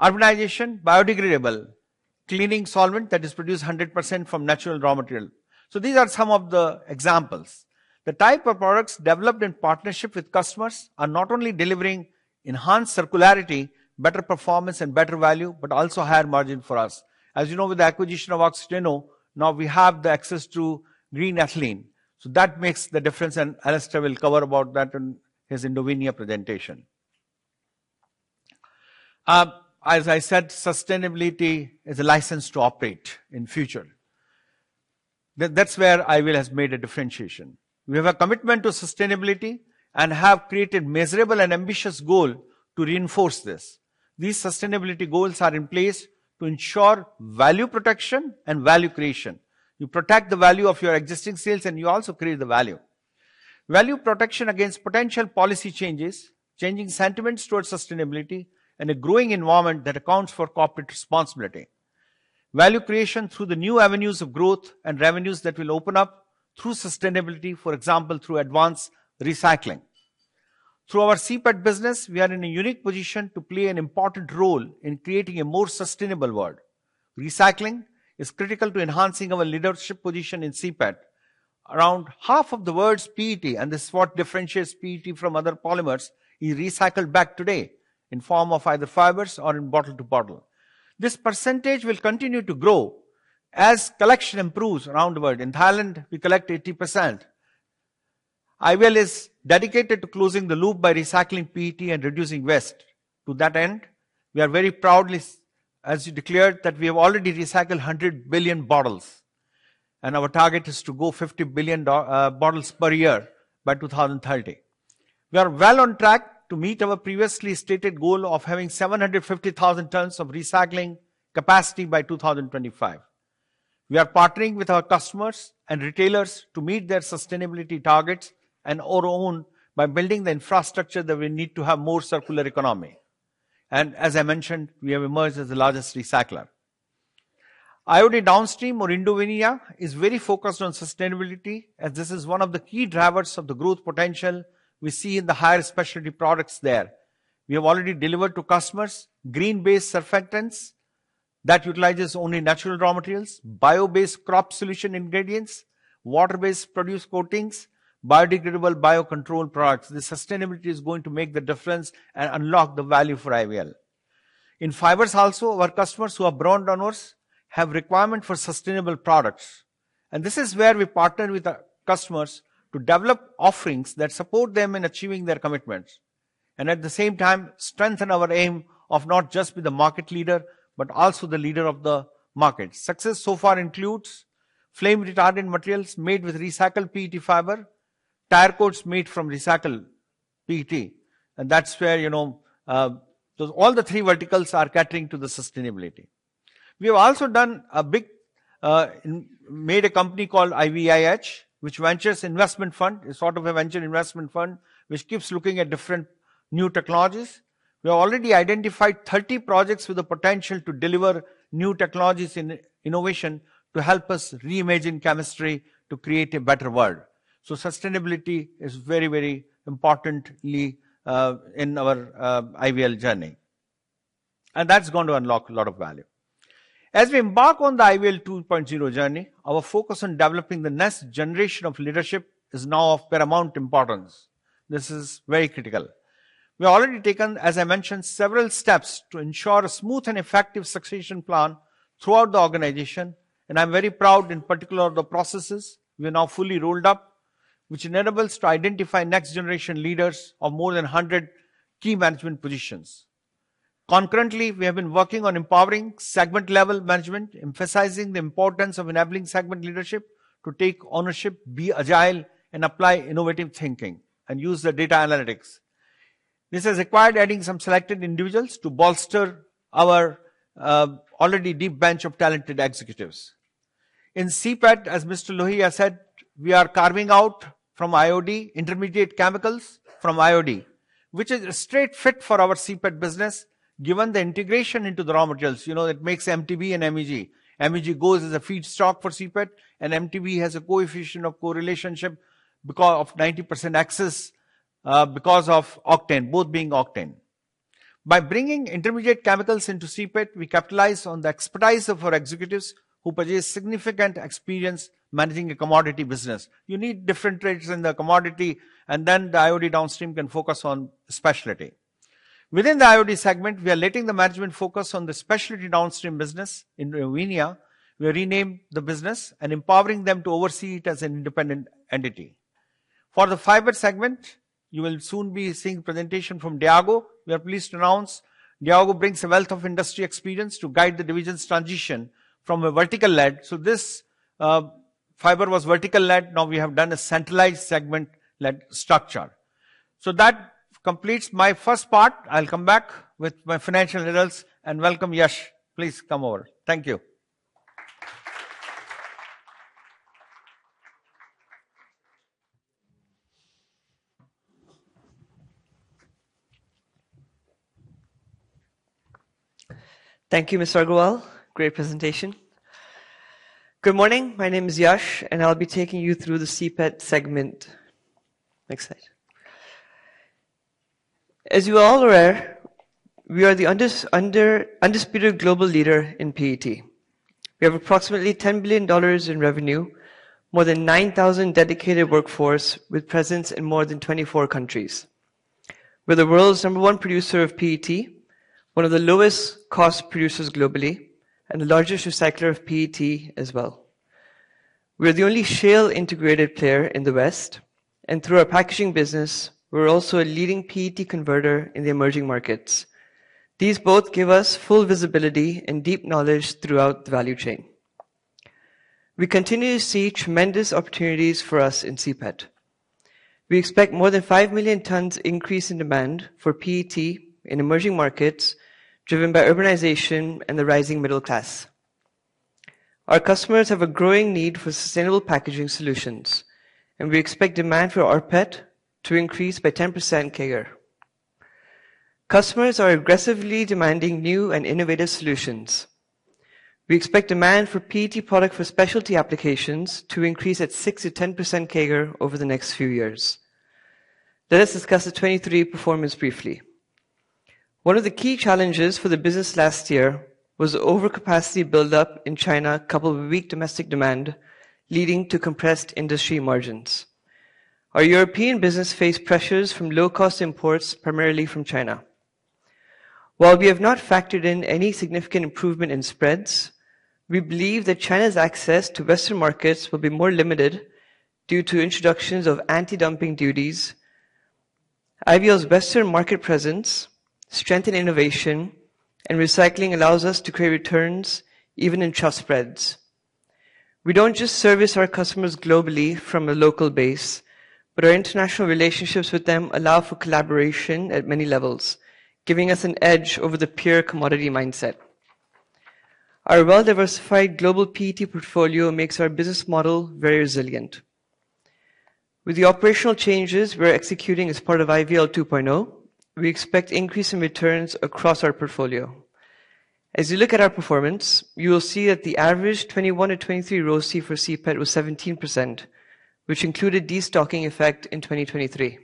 Speaker 3: Urbanization, biodegradable cleaning solvent that is produced 100% from natural raw material. These are some of the examples. The type of products developed in partnership with customers are not only delivering enhanced circularity, better performance and better value, but also higher margin for us. As you know, with the acquisition of Oxiteno, now we have the access to green ethylene. That makes the difference, and Alastair will cover about that in his Indovinya presentation. As I said, sustainability is a license to operate in future. That's where IVL has made a differentiation. We have a commitment to sustainability and have created measurable and ambitious goal to reinforce this. These sustainability goals are in place to ensure value protection and value creation. You protect the value of your existing sales, and you also create the value. Value protection against potential policy changes, changing sentiments towards sustainability, and a growing environment that accounts for corporate responsibility. Value creation through the new avenues of growth and revenues that will open up through sustainability, for example, through advanced recycling. Through our CPET business, we are in a unique position to play an important role in creating a more sustainable world. Recycling is critical to enhancing our leadership position in CPET. Around half of the world's PET, and this is what differentiates PET from other polymers, is recycled back today in form of either fibers or in bottle to bottle. This percentage will continue to grow as collection improves around the world. In Thailand, we collect 80%. IVL is dedicated to closing the loop by recycling PET and reducing waste. To that end, we are very proudly, as we declared, that we have already recycled 100 billion bottles, and our target is to go 50 billion bottles per year by 2030. We are well on track to meet our previously stated goal of having 750,000 tons of recycling capacity by 2025. We are partnering with our customers and retailers to meet their sustainability targets and our own by building the infrastructure that we need to have more circular economy. As I mentioned, we have emerged as the largest recycler. IOD Downstream or Indovinya is very focused on sustainability, and this is one of the key drivers of the growth potential we see in the higher specialty products there. We have already delivered to customers green-based surfactants that utilizes only natural raw materials, bio-based crop solution ingredients, water-based produced coatings, biodegradable biocontrol products. The sustainability is going to make the difference and unlock the value for IVL. In fibers also, our customers who are brand owners have requirement for sustainable products. This is where we partner with our customers to develop offerings that support them in achieving their commitments, and at the same time strengthen our aim of not just be the market leader, but also the leader of the market. Success so far includes flame retardant materials made with recycled PET fiber, tire cords made from recycled PET. That's where, you know, those all the three verticals are catering to the sustainability. We have also made a company called IVIH, which ventures investment fund. It's sort of a venture investment fund which keeps looking at different new technologies. We have already identified 30 projects with the potential to deliver new technologies in innovation to help us reimagine chemistry to create a better world. Sustainability is very, very importantly in our IVL journey, and that's going to unlock a lot of value. As we embark on the IVL 2.0 journey, our focus on developing the next generation of leadership is now of paramount importance. This is very critical. We've already taken, as I mentioned, several steps to ensure a smooth and effective succession plan throughout the organization, and I'm very proud in particular of the processes we're now fully rolled up, which enables to identify next generation leaders of more than 100 key management positions. Concurrently, we have been working on empowering segment-level management, emphasizing the importance of enabling segment leadership to take ownership, be agile, and apply innovative thinking and use the data analytics. This has required adding some selected individuals to bolster our already deep bench of talented executives. In CPET, as Mr. Lohia said, we are carving out from IOD intermediate chemicals from IOD, which is a straight fit for our CPET business, given the integration into the raw materials, you know, that makes MTBE and MEG. MEG goes as a feedstock for CPET, and MTBE has a coefficient of correlation because of 90% access, because of octane, both being octane. By bringing intermediate chemicals into CPET, we capitalize on the expertise of our executives who possess significant experience managing a commodity business. You need different trades in the commodity, then the IOD Downstream can focus on specialty. Within the IOD segment, we are letting the management focus on the specialty downstream business in Indovinya. We renamed the business and empowering them to oversee it as an independent entity. For the fiber segment, you will soon be seeing presentation from Diego. We are pleased to announce Diego brings a wealth of industry experience to guide the division's transition from a vertical led. This fiber was vertical led. Now we have done a centralized segment led structure. That completes my first part. I'll come back with my financial results. Welcome, Yash. Please come over. Thank you.
Speaker 4: Thank you, Mr. Agarwal. Great presentation. Good morning. My name is Yash, and I'll be taking you through the CPET segment. Next slide. As you all are aware, we are the undisputed global leader in PET. We have approximately $10 billion in revenue, more than 9,000 dedicated workforce with presence in more than 24 countries. We're the world's number one producer of PET, one of the lowest cost producers globally, and the largest recycler of PET as well. We are the only shale-integrated player in the West, and through our packaging business, we're also a leading PET converter in the emerging markets. These both give us full visibility and deep knowledge throughout the value chain. We continue to see tremendous opportunities for us in CPET. We expect more than 5,000,000 tons increase in demand for PET in emerging markets driven by urbanization and the rising middle class. Our customers have a growing need for sustainable packaging solutions, and we expect demand for rPET to increase by 10% CAGR. Customers are aggressively demanding new and innovative solutions. We expect demand for PET product for specialty applications to increase at 6%-10% CAGR over the next few years. Let us discuss the 2023 performance briefly. One of the key challenges for the business last year was overcapacity build-up in China, coupled with weak domestic demand, leading to compressed industry margins. Our European business faced pressures from low-cost imports, primarily from China. While we have not factored in any significant improvement in spreads, we believe that China's access to Western markets will be more limited due to introductions of anti-dumping duties. IVL's Western market presence, strength in innovation, and recycling allows us to create returns even in tight spreads. Our international relationships with them allow for collaboration at many levels, giving us an edge over the pure commodity mindset. Our well-diversified global PET portfolio makes our business model very resilient. With the operational changes we're executing as part of IVL 2.0, we expect increase in returns across our portfolio. As you look at our performance, you will see that the average 2021-2023 ROCE for CPET was 17%, which included destocking effect in 2023.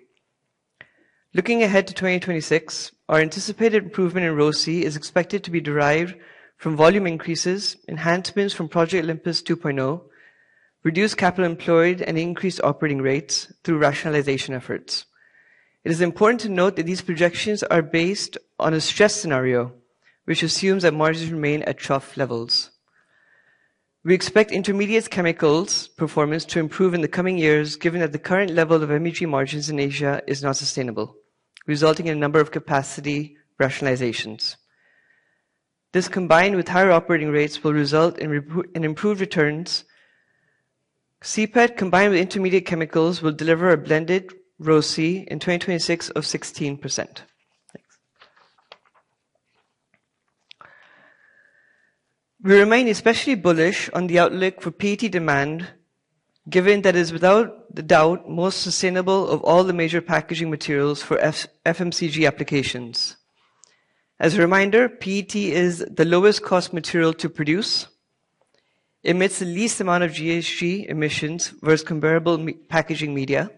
Speaker 4: Looking ahead to 2026, our anticipated improvement in ROCE is expected to be derived from volume increases, enhancements from Project Olympus 2.0, reduced capital employed, and increased operating rates through rationalization efforts. It is important to note that these projections are based on a stress scenario, which assumes that margins remain at trough levels. We expect intermediates chemicals performance to improve in the coming years, given that the current level of MEG margins in Asia is not sustainable, resulting in a number of capacity rationalizations. This, combined with higher operating rates, will result in improved returns. CPET, combined with intermediate chemicals, will deliver a blended ROCE in 2026 of 16%. We remain especially bullish on the outlook for PET demand, given that it's without the doubt most sustainable of all the major packaging materials for FMCG applications. As a reminder, PET is the lowest cost material to produce, emits the least amount of GHG emissions versus comparable packaging media,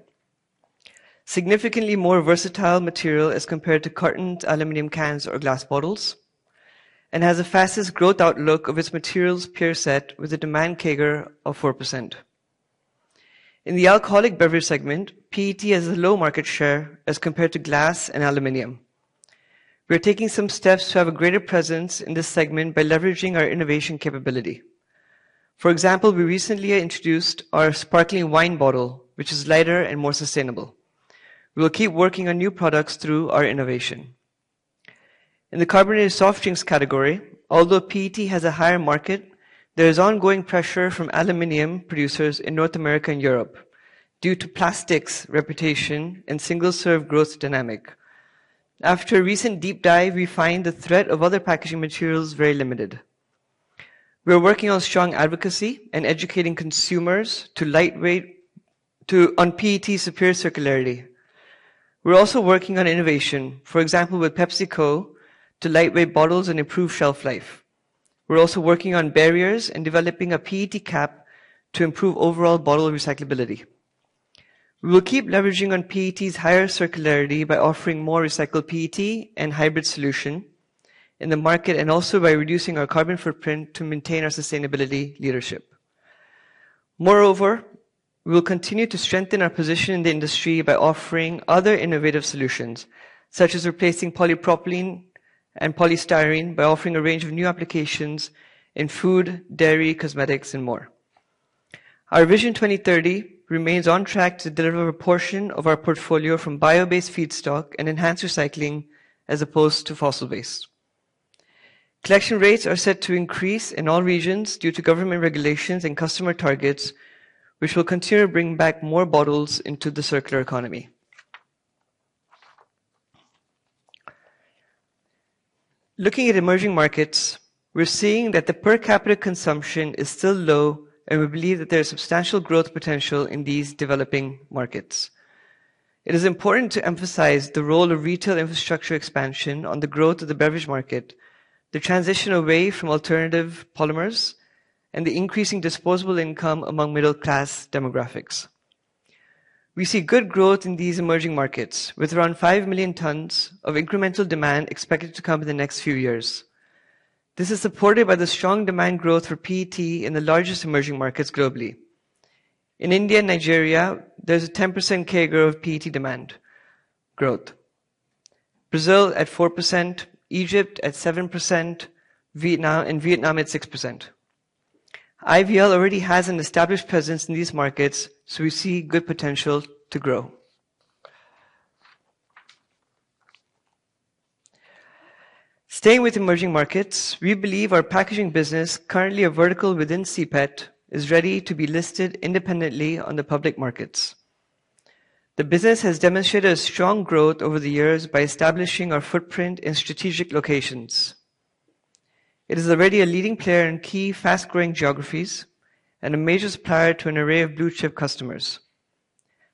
Speaker 4: significantly more versatile material as compared to carton, aluminum cans or glass bottles, and has the fastest growth outlook of its materials peer set with a demand CAGR of 4%. In the alcoholic beverage segment, PET has a low market share as compared to glass and aluminum. We are taking some steps to have a greater presence in this segment by leveraging our innovation capability. For example, we recently introduced our sparkling wine bottle, which is lighter and more sustainable. We will keep working on new products through our innovation. In the carbonated soft drinks category, although PET has a higher market, there is ongoing pressure from aluminum producers in North America and Europe due to plastics' reputation and single-serve growth dynamic. After a recent deep dive, we find the threat of other packaging materials very limited. We are working on strong advocacy and educating consumers to lightweight on PET's superior circularity. We're also working on innovation, for example, with PepsiCo, to lightweight bottles and improve shelf life. We're also working on barriers and developing a PET cap to improve overall bottle recyclability. We will keep leveraging on PET's higher circularity by offering more recycled PET and hybrid solution in the market, and also by reducing our carbon footprint to maintain our sustainability leadership. Moreover, we will continue to strengthen our position in the industry by offering other innovative solutions, such as replacing polypropylene and polystyrene by offering a range of new applications in food, dairy, cosmetics, and more. Our Vision 2030 remains on track to deliver a portion of our portfolio from bio-based feedstock and enhanced recycling as opposed to fossil-based. Collection rates are set to increase in all regions due to government regulations and customer targets, which will continue to bring back more bottles into the circular economy. Looking at emerging markets, we're seeing that the per capita consumption is still low, and we believe that there is substantial growth potential in these developing markets. It is important to emphasize the role of retail infrastructure expansion on the growth of the beverage market, the transition away from alternative polymers, and the increasing disposable income among middle class demographics. We see good growth in these emerging markets, with around 5,000,000 tons of incremental demand expected to come in the next few years. This is supported by the strong demand growth for PET in the largest emerging markets globally. In India and Nigeria, there's a 10% CAGR of PET demand growth. Brazil at 4%, Egypt at 7% and Vietnam at 6%. IVL already has an established presence in these markets. We see good potential to grow. Staying with emerging markets, we believe our packaging business, currently a vertical within CPET, is ready to be listed independently on the public markets. The business has demonstrated a strong growth over the years by establishing our footprint in strategic locations. It is already a leading player in key fast-growing geographies and a major supplier to an array of blue-chip customers.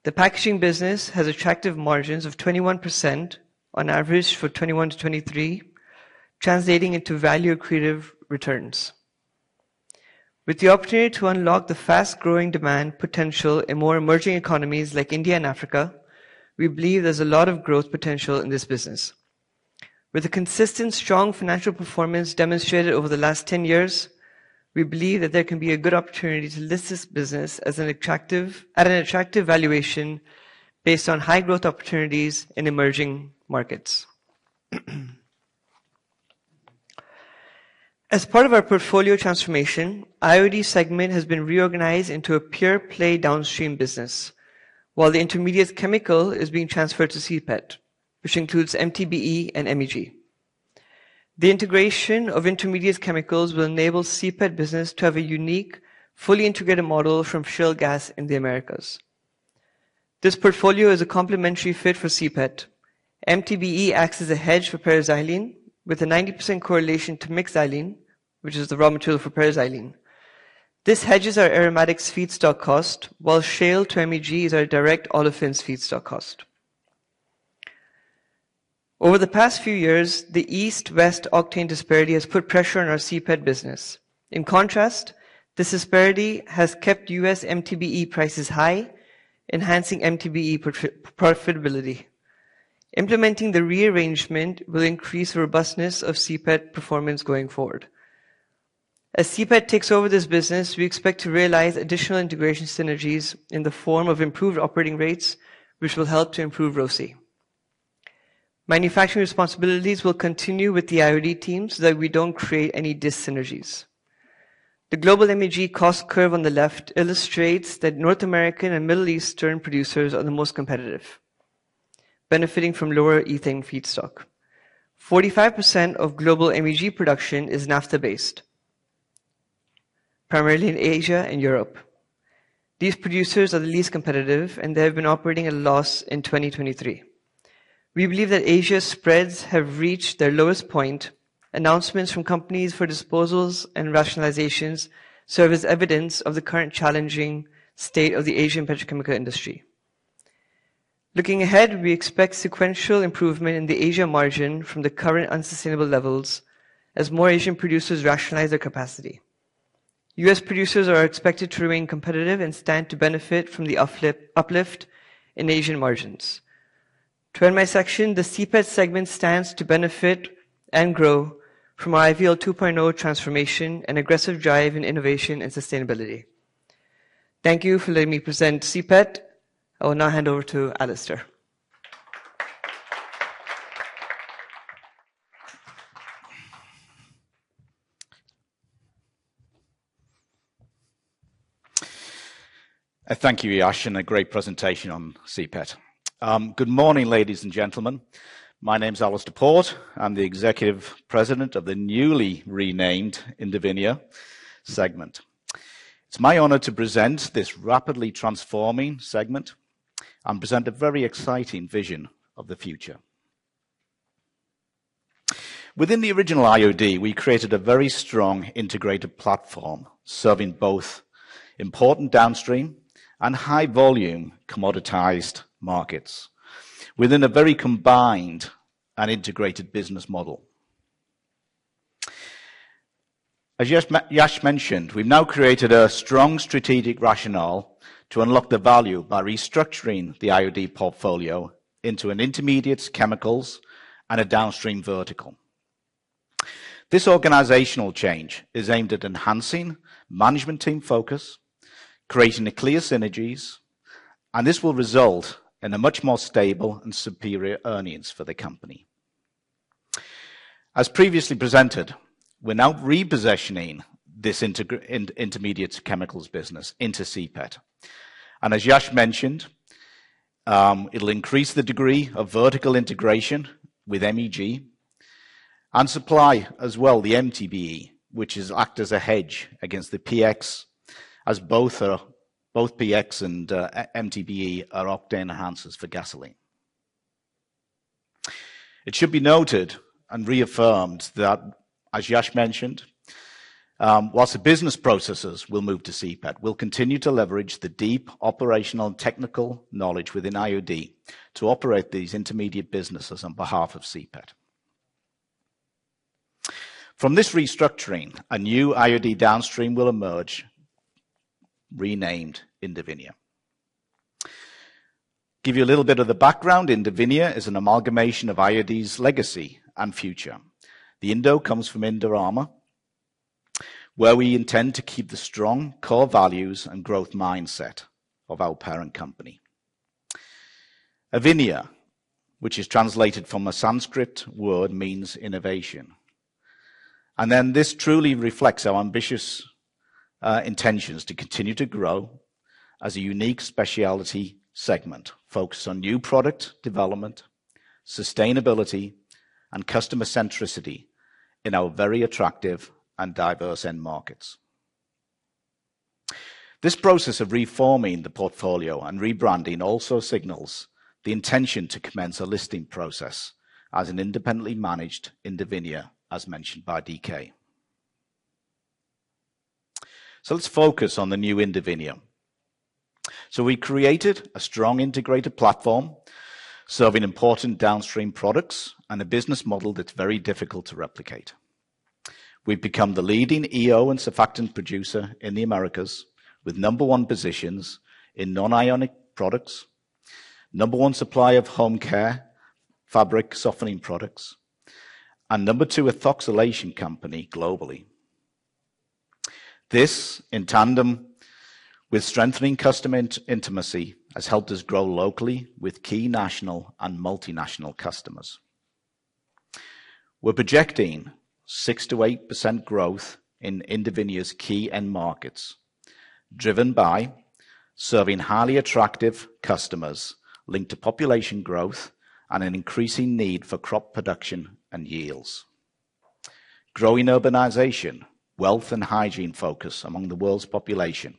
Speaker 4: The packaging business has attractive margins of 21% on average for 2021-2023, translating into value-accretive returns. With the opportunity to unlock the fast-growing demand potential in more emerging economies like India and Africa, we believe there's a lot of growth potential in this business. With a consistent strong financial performance demonstrated over the last 10 years, we believe that there can be a good opportunity to list this business at an attractive valuation based on high growth opportunities in emerging markets. As part of our portfolio transformation, IOD segment has been reorganized into a pure-play downstream business, while the intermediates chemical is being transferred to CPET, which includes MTBE and MEG. The integration of intermediates chemicals will enable CPET business to have a unique, fully integrated model from shale gas in the Americas. This portfolio is a complementary fit for CPET. MTBE acts as a hedge for paraxylene with a 90% correlation to metaxylene, which is the raw material for paraxylene. This hedges our aromatics feedstock cost, while shale to MEG is our direct olefins feedstock cost. Over the past few years, the East-West octane disparity has put pressure on our CPET business. This disparity has kept U.S. MTBE prices high, enhancing MTBE profitability. Implementing the rearrangement will increase robustness of CPET performance going forward. CPET takes over this business, we expect to realize additional integration synergies in the form of improved operating rates, which will help to improve ROCE. Manufacturing responsibilities will continue with the IOD team so that we don't create any dis-synergies. The global MEG cost curve on the left illustrates that North American and Middle Eastern producers are the most competitive, benefiting from lower ethane feedstock. 45% of global MEG production is naphtha-based, primarily in Asia and Europe. These producers are the least competitive, and they have been operating at a loss in 2023. We believe that Asia spreads have reached their lowest point. Announcements from companies for disposals and rationalizations serve as evidence of the current challenging state of the Asian petrochemical industry. Looking ahead, we expect sequential improvement in the Asia margin from the current unsustainable levels as more Asian producers rationalize their capacity. U.S. producers are expected to remain competitive and stand to benefit from the uplift in Asian margins. To end my section, the CPET segment stands to benefit and grow from our IVL 2.0 transformation and aggressive drive in innovation and sustainability. Thank you for letting me present CPET. I will now hand over to Alastair.
Speaker 5: Thank you, Yash, a great presentation on CPET. Good morning, ladies and gentlemen. My name is Alastair Port. I'm the Executive President of the newly renamed Indovinya segment. It's my honor to present this rapidly transforming segment and present a very exciting vision of the future. Within the original IOD, we created a very strong integrated platform, serving both important downstream and high volume commoditized markets within a very combined and integrated business model. As Yash mentioned, we've now created a strong strategic rationale to unlock the value by restructuring the IOD portfolio into an intermediates, chemicals, and a downstream vertical. This organizational change is aimed at enhancing management team focus, creating a clear synergies, and this will result in a much more stable and superior earnings for the company. As previously presented, we're now repositioning this intermediate to chemicals business into CPET. As Yash mentioned, it'll increase the degree of vertical integration with MEG and supply as well the MTBE, which is act as a hedge against the PX as both PX and MTBE are octane enhancers for gasoline. It should be noted and reaffirmed that, as Yash mentioned, whilst the business processes will move to CPET, we'll continue to leverage the deep operational and technical knowledge within IOD to operate these intermediate businesses on behalf of CPET. From this restructuring, a new IOD Downstream will emerge, renamed Indovinya. Give you a little bit of the background. Indovinya is an amalgamation of IOD's legacy and future. The Indo comes from Indorama, where we intend to keep the strong core values and growth mindset of our parent company. Avinia, which is translated from a Sanskrit word, means innovation. This truly reflects our ambitious intentions to continue to grow as a unique specialty segment focused on new product development, sustainability, and customer centricity in our very attractive and diverse end markets. This process of reforming the portfolio and rebranding also signals the intention to commence a listing process as an independently managed Indovinya, as mentioned by DK. Let's focus on the new Indovinya. We created a strong integrated platform serving important downstream products and a business model that's very difficult to replicate. We've become the leading EO and surfactant producer in the Americas, with number one positions in non-ionic products, number one supplier of home care, fabric softening products, and number two ethoxylation company globally. This, in tandem with strengthening customer intimacy, has helped us grow locally with key national and multinational customers. We're projecting 6%-8% growth in Indovinya's key end markets, driven by serving highly attractive customers linked to population growth an increasing need for crop production and yields. Growing urbanization, wealth and hygiene focus among the world's population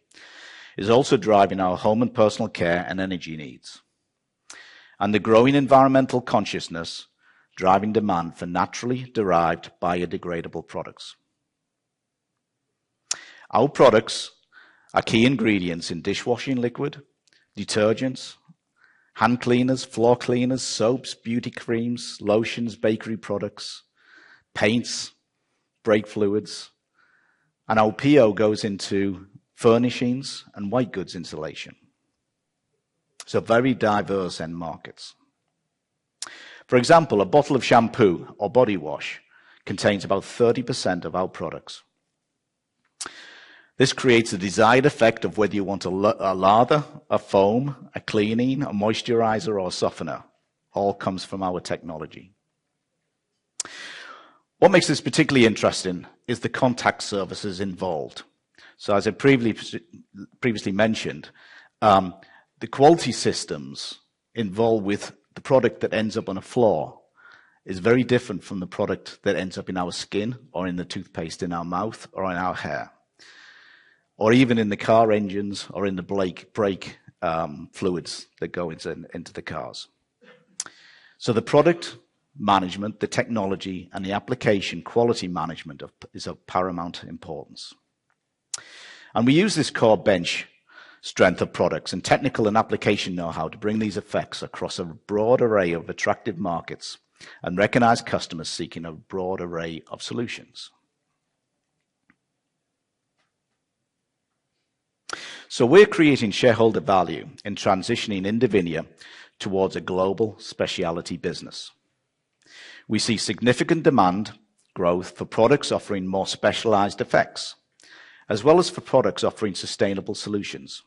Speaker 5: is also driving our home and personal care and energy needs. The growing environmental consciousness driving demand for naturally derived biodegradable products. Our products are key ingredients in dishwashing liquid, detergents, hand cleaners, floor cleaners, soaps, beauty creams, lotions, bakery products, paints, brake fluids, our PO goes into furnishings and white goods insulation. Very diverse end markets. For example, a bottle of shampoo or body wash contains about 30% of our products. This creates a desired effect of whether you want a lather, a foam, a cleaning, a moisturizer, or a softener. All comes from our technology. What makes this particularly interesting is the contact surfaces involved. As I previously mentioned, the quality systems involved with the product that ends up on a floor is very different from the product that ends up in our skin or in the toothpaste in our mouth or in our hair. Or even in the car engines or in the brake fluids that go into the cars. The product management, the technology, and the application quality management is of paramount importance. We use this core bench strength of products and technical and application know-how to bring these effects across a broad array of attractive markets and recognize customers seeking a broad array of solutions. We're creating shareholder value in transitioning Indovinya towards a global specialty business. We see significant demand growth for products offering more specialized effects, as well as for products offering sustainable solutions.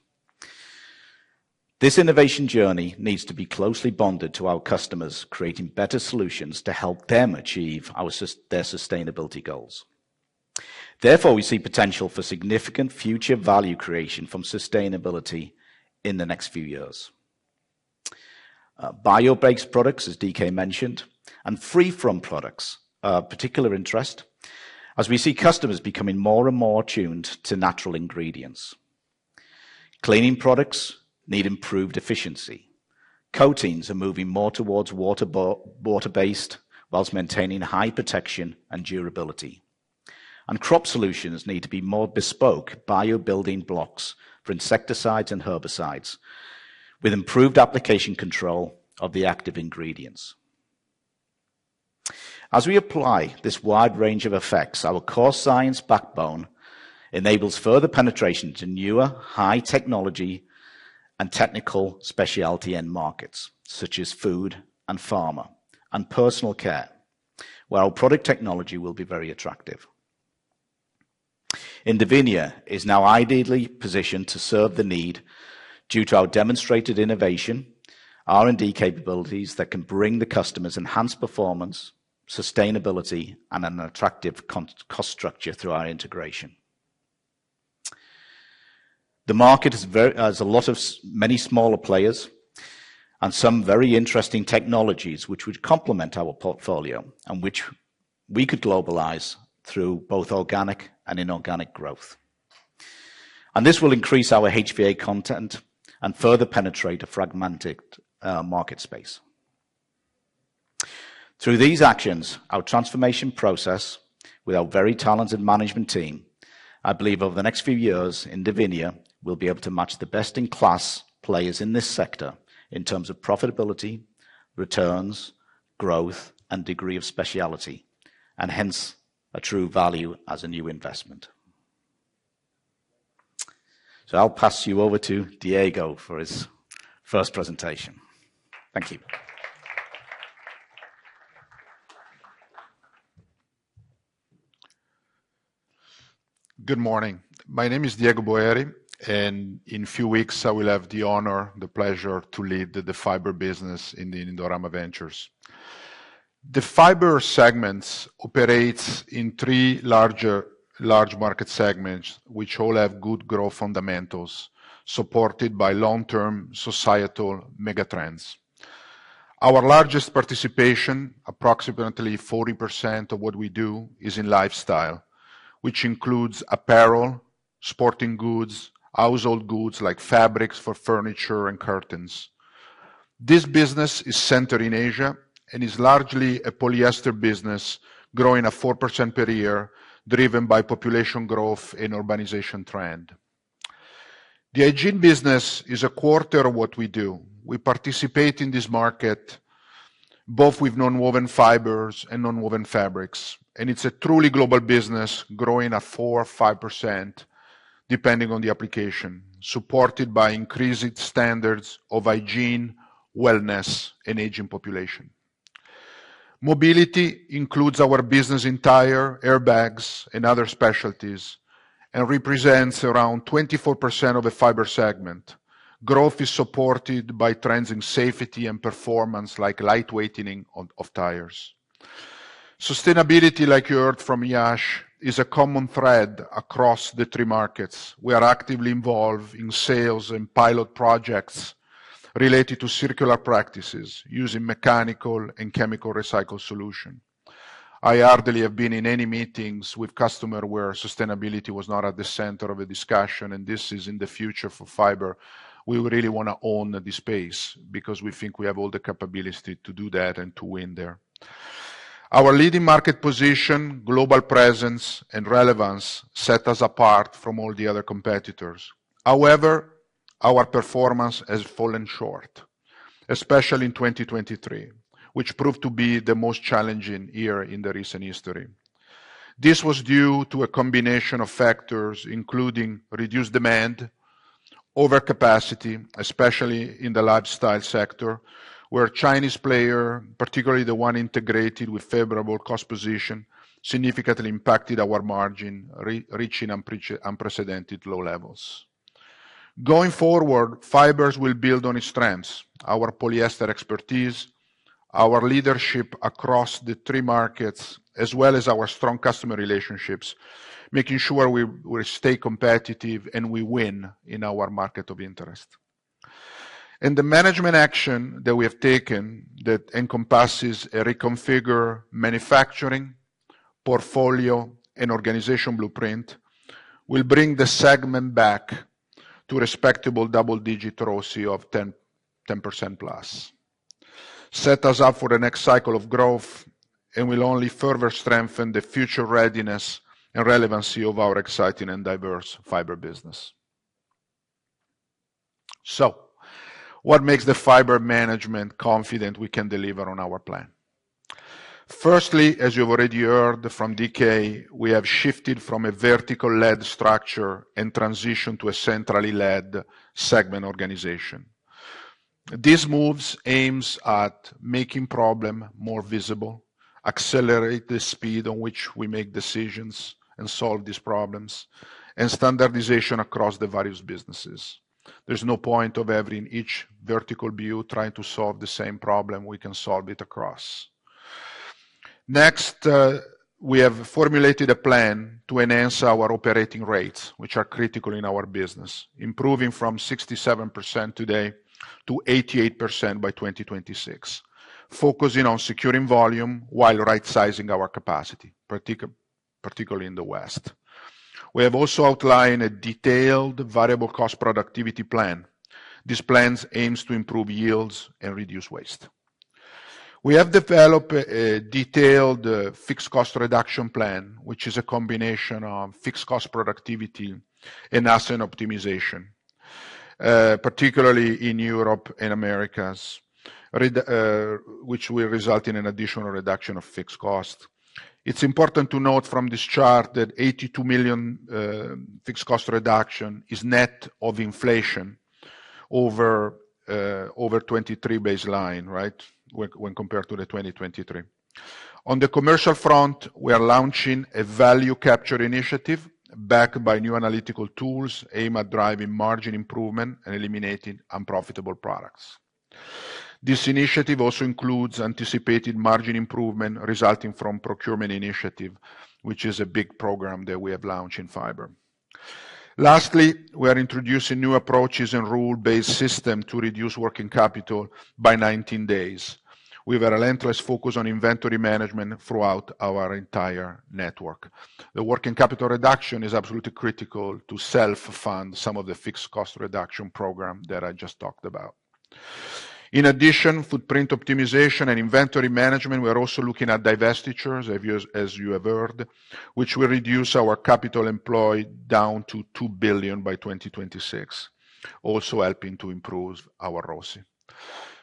Speaker 5: This innovation journey needs to be closely bonded to our customers, creating better solutions to help them achieve their sustainability goals. We see potential for significant future value creation from sustainability in the next few years. Bio-based products, as DK mentioned, and free from products are particular interest as we see customers becoming more and more attuned to natural ingredients. Cleaning products need improved efficiency. Coatings are moving more towards water-based, whilst maintaining high protection and durability. Crop solutions need to be more bespoke bio-building blocks for insecticides and herbicides, with improved application control of the active ingredients. As we apply this wide range of effects, our core science backbone enables further penetration to newer high technology and technical specialty end markets such as food and pharma and personal care. While product technology will be very attractive. Indovinya is now ideally positioned to serve the need due to our demonstrated innovation, R&D capabilities that can bring the customers enhanced performance, sustainability, and an attractive cost structure through our integration. The market has a lot of many smaller players and some very interesting technologies which would complement our portfolio and which we could globalize through both organic and inorganic growth. This will increase our HVA content and further penetrate a fragmented market space. Through these actions, our transformation process with our very talented management team, I believe over the next few years, Indovinya will be able to match the best-in-class players in this sector in terms of profitability, returns, growth, and degree of specialty, and hence a true value as a new investment. I'll pass you over to Diego for his first presentation. Thank you.
Speaker 6: Good morning. My name is Diego Boeri, and in few weeks, I will have the honor, the pleasure to lead the Fiber business in Indorama Ventures. The Fiber segments operates in three large market segments, which all have good growth fundamentals, supported by long-term societal mega trends. Our largest participation, approximately 40% of what we do, is in lifestyle, which includes apparel, sporting goods, household goods like fabrics for furniture and curtains. This business is centered in Asia and is largely a polyester business, growing at 4% per year, driven by population growth and urbanization trend. The hygiene business is a quarter of what we do. We participate in this market both with nonwoven fibers and nonwoven fabrics. It's a truly global business, growing at 4% or 5%, depending on the application, supported by increased standards of hygiene, wellness in aging population. Mobility includes our business in tire, airbags and other specialties and represents around 24% of the Fiber segment. Growth is supported by trends in safety and performance like lightweightening of tires. Sustainability, like you heard from Yash, is a common thread across the three markets. We are actively involved in sales and pilot projects related to circular practices using mechanical and chemical recycled solution. I hardly have been in any meetings with customers where sustainability was not at the center of a discussion. This is in the future for Fiber. We really want to own the space because we think we have all the capability to do that and to win there. Our leading market position, global presence, and relevance set us apart from all the other competitors. However, our performance has fallen short, especially in 2023, which proved to be the most challenging year in the recent history. This was due to a combination of factors, including reduced demand, overcapacity, especially in the lifestyle sector, where Chinese player, particularly the one integrated with favorable cost position, significantly impacted our margin reaching unprecedented low levels. Going forward, Fibers will build on its strengths, our polyester expertise, our leadership across the three markets, as well as our strong customer relationships, making sure we stay competitive and we win in our market of interest. The management action that we have taken that encompasses a reconfigure manufacturing portfolio and organization blueprint will bring the segment back to respectable double-digit ROCE of 10%+, set us up for the next cycle of growth, and will only further strengthen the future readiness and relevancy of our exciting and diverse Fiber business. What makes the Fiber management confident we can deliver on our plan? Firstly, as you've already heard from DK, we have shifted from a vertical-led structure and transitioned to a centrally led segment organization. These moves aim at making problems more visible, accelerate the speed at which we make decisions and solve these problems, and standardizing across the various businesses. There's no point in every vertical trying to solve the same problem we can solve it across. Next, we have formulated a plan to enhance our operating rates, which are critical in our business, improving from 67% today to 88% by 2026, focusing on securing volume while rightsizing our capacity, particularly in the West. We have also outlined a detailed variable cost productivity plan. These plans aims to improve yields and reduce waste. We have developed a detailed fixed cost reduction plan, which is a combination of fixed cost productivity and asset optimization, particularly in Europe and Americas, which will result in an additional reduction of fixed cost. It's important to note from this chart that $82 million fixed cost reduction is net of inflation over 2023 baseline, right? When compared to the 2023. On the commercial front, we are launching a value capture initiative backed by new analytical tools aimed at driving margin improvement and eliminating unprofitable products. This initiative also includes anticipated margin improvement resulting from procurement initiative, which is a big program that we have launched in Fibers. Lastly, we are introducing new approaches and rule-based system to reduce working capital by 19 days with a relentless focus on inventory management throughout our entire network. The working capital reduction is absolutely critical to self-fund some of the fixed cost reduction program that I just talked about. In addition, footprint optimization and inventory management, we are also looking at divestitures, as you have heard, which will reduce our capital employed down to $2 billion by 2026, also helping to improve our ROCE.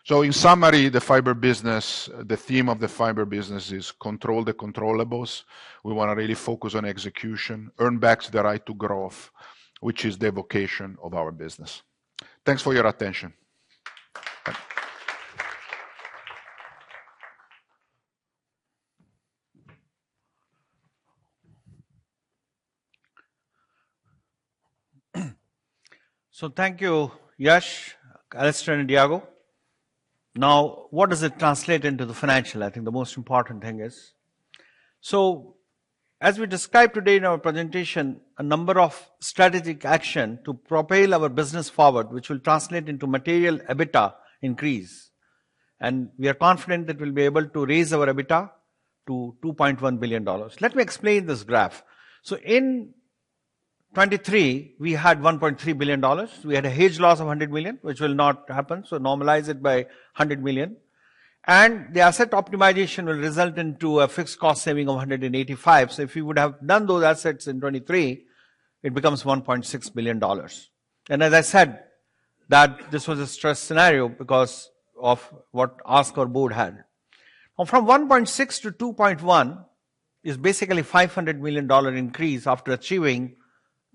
Speaker 6: In summary, the Fiber business, the theme of the Fiber business is control the controllables. We want to really focus on execution, earn back the right to growth, which is the vocation of our business. Thanks for your attention.
Speaker 3: Thank you, Yash, Alastair, and Diego. What does it translate into the financial? I think the most important thing is. As we described today in our presentation, a number of strategic action to propel our business forward, which will translate into material EBITDA increase, and we are confident that we'll be able to raise our EBITDA to $2.1 billion. Let me explain this graph. In 2023, we had $1.3 billion. We had a hedge loss of $100 million, which will not happen, so normalize it by $100 million. The asset optimization will result into a fixed cost saving of $185 million. If you would have done those assets in 2023, it becomes $1.6 billion. As I said that this was a stress scenario because of what ask our board had. From $1.6 billion-$2.1 billion is basically $500 million increase after achieving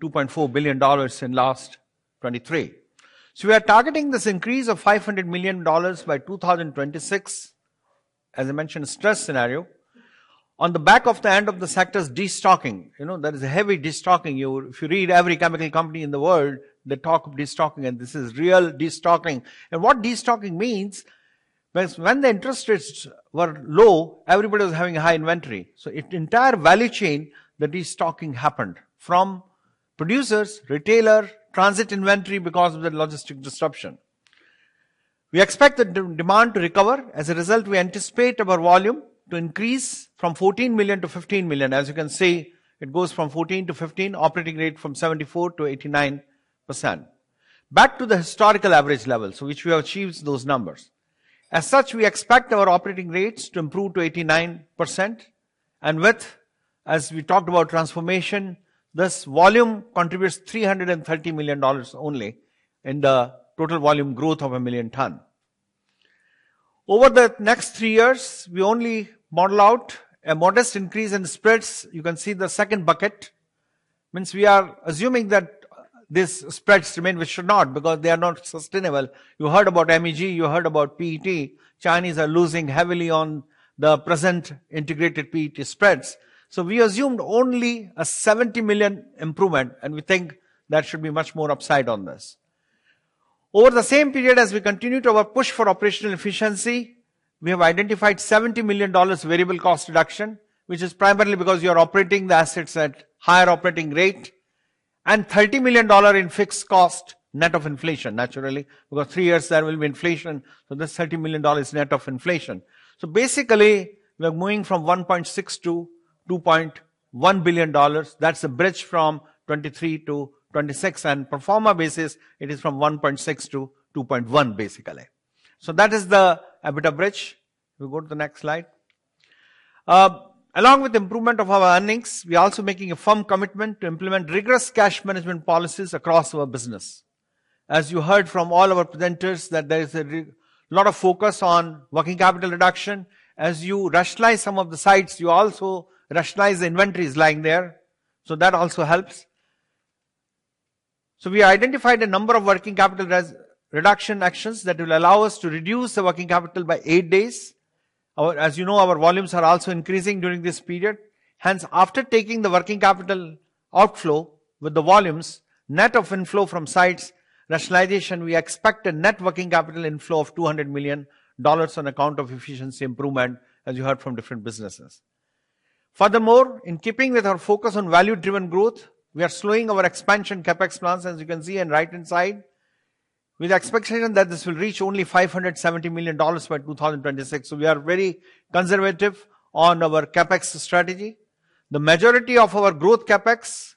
Speaker 3: $2.4 billion in last 2023. We are targeting this increase of $500 million by 2026. As I mentioned, stress scenario. On the back of the end of the sector's destocking, you know, there is a heavy destocking. If you read every chemical company in the world, they talk of destocking, and this is real destocking. What destocking means when the interest rates were low, everybody was having a high inventory. The entire value chain, the destocking happened from producers, retailer, transit inventory because of the logistic disruption. We expect the demand to recover. As a result, we anticipate our volume to increase from 14 million-15 million. As you can see, it goes from 14 million-15 million, operating rate from 74%-89%. Back to the historical average levels, which we have achieved those numbers. As such, we expect our operating rates to improve to 89% and with, as we talked about transformation, this volume contributes $330 million only in the total volume growth of 1,000,000 tons. Over the next three years, we only model out a modest increase in spreads. You can see the second bucket. Means we are assuming that these spreads remain, which should not because they are not sustainable. You heard about MEG, you heard about PET. Chinese are losing heavily on the present integrated PET spreads. We assumed only a $70 million improvement, and we think there should be much more upside on this. Over the same period, as we continue to push for operational efficiency, we have identified $70 million variable cost reduction, which is primarily because you are operating the assets at higher operating rate and $30 million in fixed cost net of inflation, naturally. Over three years, there will be inflation, this $30 million is net of inflation. Basically, we are moving from $1.6 billion-$2.1 billion. That's a bridge from 2023-2026. Pro forma basis it is from $1.6 billion-$2.1 billion, basically. That is the EBITDA bridge. We go to the next slide. Along with the improvement of our earnings, we are also making a firm commitment to implement rigorous cash management policies across our business. As you heard from all our presenters, that there is a lot of focus on working capital reduction. As you rationalize some of the sites, you also rationalize the inventories lying there, so that also helps. We identified a number of working capital reduction actions that will allow us to reduce the working capital by eight days. As you know, our volumes are also increasing during this period. Hence, after taking the working capital outflow with the volumes net of inflow from sites rationalization, we expect a net working capital inflow of $200 million on account of efficiency improvement, as you heard from different businesses. In keeping with our focus on value-driven growth, we are slowing our expansion CapEx plans, as you can see in right-hand side, with the expectation that this will reach only $570 million by 2026. We are very conservative on our CapEx strategy. The majority of our growth CapEx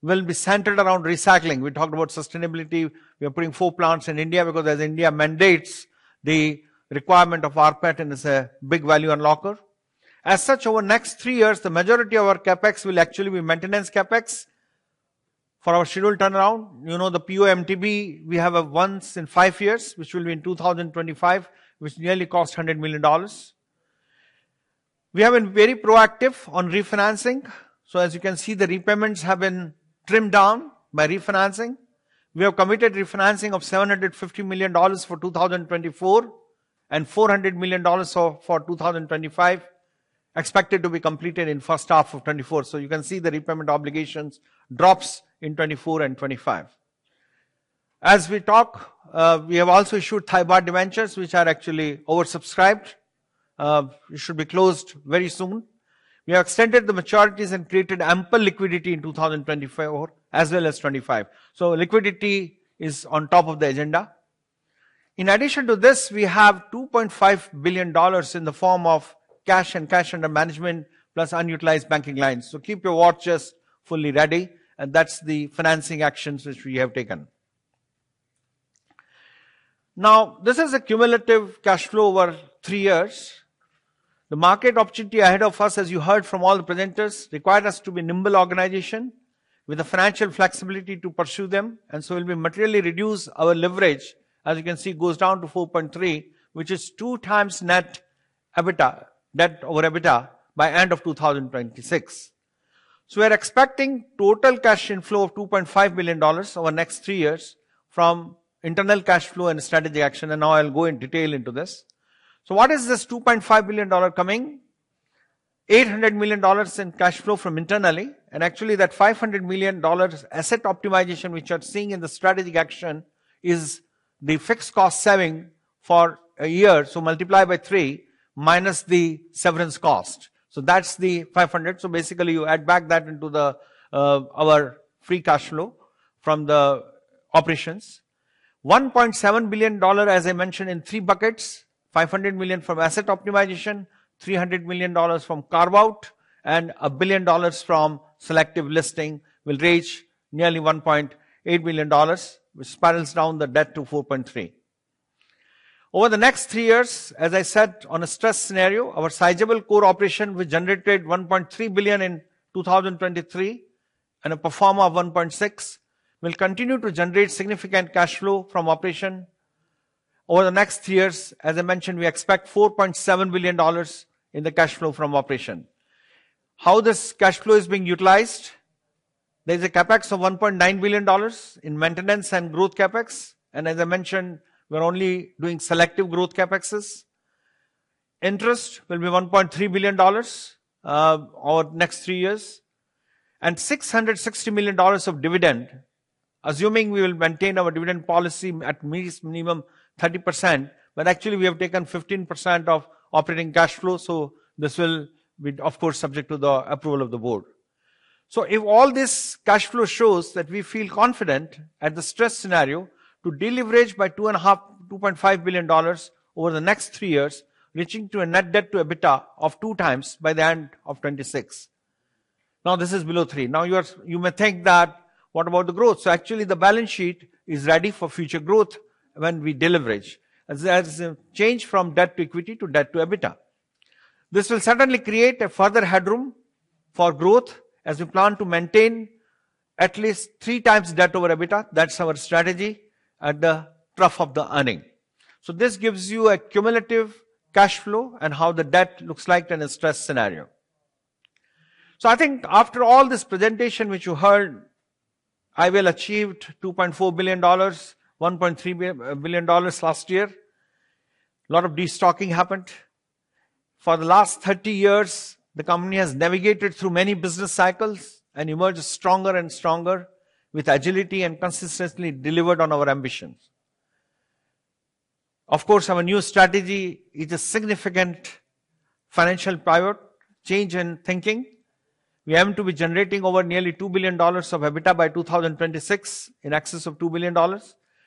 Speaker 3: will be centered around recycling. We talked about sustainability. We are putting four plants in India because as India mandates the requirement of rPET and is a big value unlocker. Over next three years, the majority of our CapEx will actually be maintenance CapEx for our scheduled turnaround. You know, the PO/MTBE, we have a once in five years, which will be in 2025, which nearly costs $100 million. We have been very proactive on refinancing. As you can see, the repayments have been trimmed down by refinancing. We have committed refinancing of $750 million for 2024 and $400 million for 2025, expected to be completed in first half of 2024. You can see the repayment obligations drops in 2024 and 2025. As we talk, we have also issued Thai Baht debentures which are actually oversubscribed. It should be closed very soon. We have extended the maturities and created ample liquidity in 2024 as well as 2025. Liquidity is on top of the agenda. In addition to this, we have $2.5 billion in the form of cash and cash under management plus unutilized banking lines. Keep your watches fully ready, and that's the financing actions which we have taken. This is a cumulative cash flow over three years. The market opportunity ahead of us, as you heard from all the presenters, required us to be nimble organization with the financial flexibility to pursue them. We'll be materially reduce our leverage, as you can see, it goes down to 4.3x, which is 2x net EBITDA, net over EBITDA by end of 2026. We are expecting total cash inflow of $2.5 billion over the next three years from internal cash flow and strategy action, I'll go in detail into this. What is this $2.5 billion coming? $800 million in cash flow from internally, actually that $500 million asset optimization which you are seeing in the strategy action is the fixed cost saving for a year. Multiply by three minus the severance cost. That's the $500. You add back that into our free cash flow from the operations. $1.7 billion, as I mentioned in three buckets, $500 million from asset optimization, $300 million from carve-out, and $1 billion from selective listing will reach nearly $1.8 billion, which spirals down the debt to 4.3x. Over the next three years, as I said, on a stress scenario, our sizable core operation, which generated $1.3 billion in 2023 and a pro forma of $1.6 billion, will continue to generate significant cash flow from operation. Over the next three years, as I mentioned, we expect $4.7 billion in the cash flow from operation. How this cash flow is being utilized? There's a CapEx of $1.9 billion in maintenance and growth CapEx. As I mentioned, we're only doing selective growth CapExes. Interest will be $1.3 billion over next three years and $660 million of dividend, assuming we will maintain our dividend policy at least minimum 30%, but actually we have taken 15% of operating cash flow, so this will be of course subject to the approval of the board. If all this cash flow shows that we feel confident at the stress scenario to deleverage by $2.5 billion over the next three years, reaching to a net debt to EBITDA of 2x by the end of 2026. Now, this is below 3x. Now you may think that what about the growth? Actually the balance sheet is ready for future growth when we deleverage. A change from debt to equity to debt to EBITDA. This will certainly create a further headroom for growth as we plan to maintain at least 3x debt over EBITDA. That's our strategy at the trough of the earnings. This gives you a cumulative cash flow and how the debt looks like in a stress scenario. I think after all this presentation which you heard, IVL achieved $2.4 billion, $1.3 billion last year. A lot of destocking happened. For the last 30 years, the company has navigated through many business cycles and emerged stronger and stronger with agility and consistently delivered on our ambitions. Our new strategy is a significant financial pivot change in thinking. We aim to be generating over nearly $2 billion of EBITDA by 2026, in excess of $2 billion,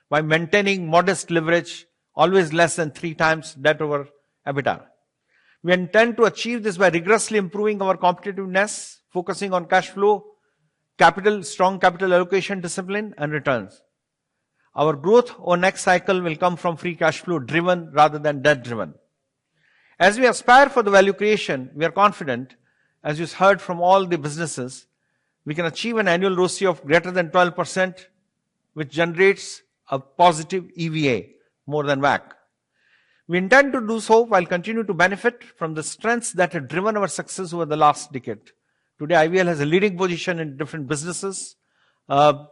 Speaker 3: by maintaining modest leverage, always less than 3x debt over EBITDA. We intend to achieve this by rigorously improving our competitiveness, focusing on cash flow, strong capital allocation discipline, and returns. Our growth over next cycle will come from free cash flow driven rather than debt driven. As we aspire for the value creation, we are confident, as you heard from all the businesses, we can achieve an annual ROCE of greater than 12%, which generates a positive EVA more than WACC. We intend to do so while continue to benefit from the strengths that have driven our success over the last decade. Today, IVL has a leading position in different businesses. As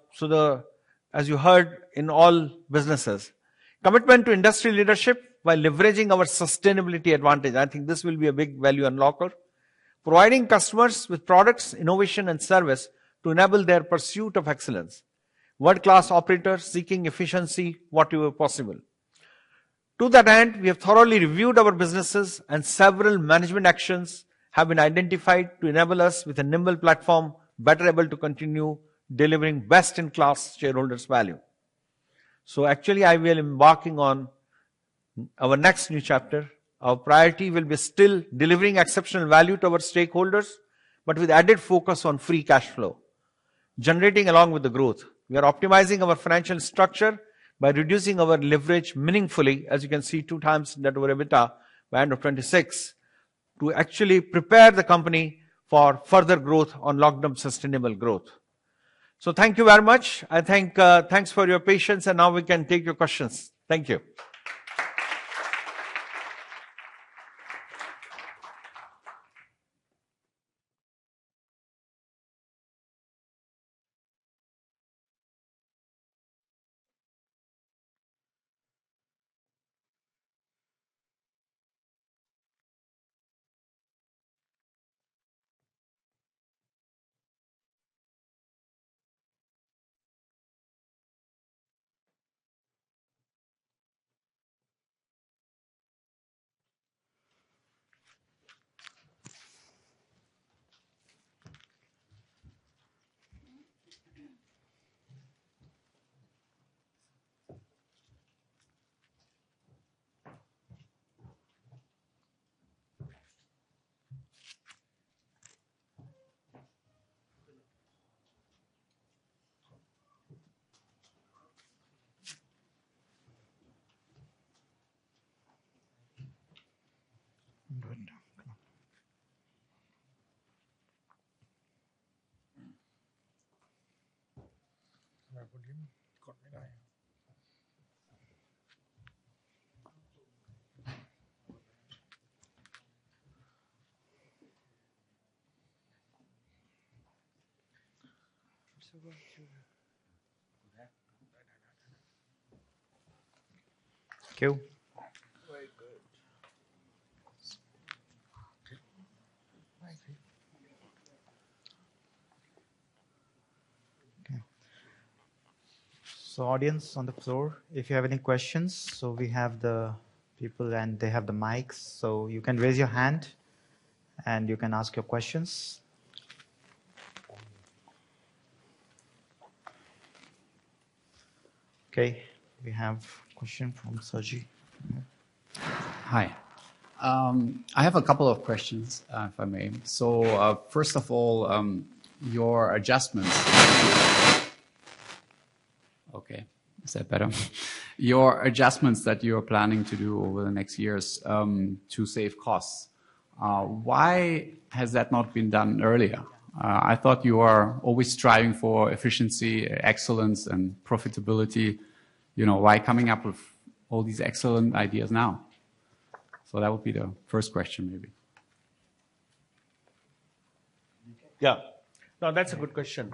Speaker 3: you heard in all businesses. Commitment to industry leadership while leveraging our sustainability advantage. I think this will be a big value unlocker. Providing customers with products, innovation, and service to enable their pursuit of excellence. World-class operators seeking efficiency wherever possible. To that end, we have thoroughly reviewed our businesses and several management actions have been identified to enable us with a nimble platform, better able to continue delivering best-in-class shareholder value. Actually IVL embarking on our next new chapter. Our priority will be still delivering exceptional value to our stakeholders, but with added focus on free cash flow generating along with the growth. We are optimizing our financial structure by reducing our leverage meaningfully, as you can see 2x net over EBITDA by end of 2026, to actually prepare the company for further growth on long-term sustainable growth. Thank you very much. I thank, Thanks for your patience. Now we can take your questions. Thank you. Thank you.
Speaker 1: Okay. Audience on the floor, if you have any questions, so we have the people and they have the mics. You can raise your hand and you can ask your questions. Okay. We have a question from Saji.
Speaker 7: Hi. I have a couple of questions, if I may. First of all, your adjustments. Okay. Is that better? Your adjustments that you're planning to do over the next years, to save costs, why has that not been done earlier? I thought you are always striving for efficiency, excellence, and profitability. You know, why coming up with all these excellent ideas now? That would be the first question, maybe.
Speaker 3: Yeah. No, that's a good question.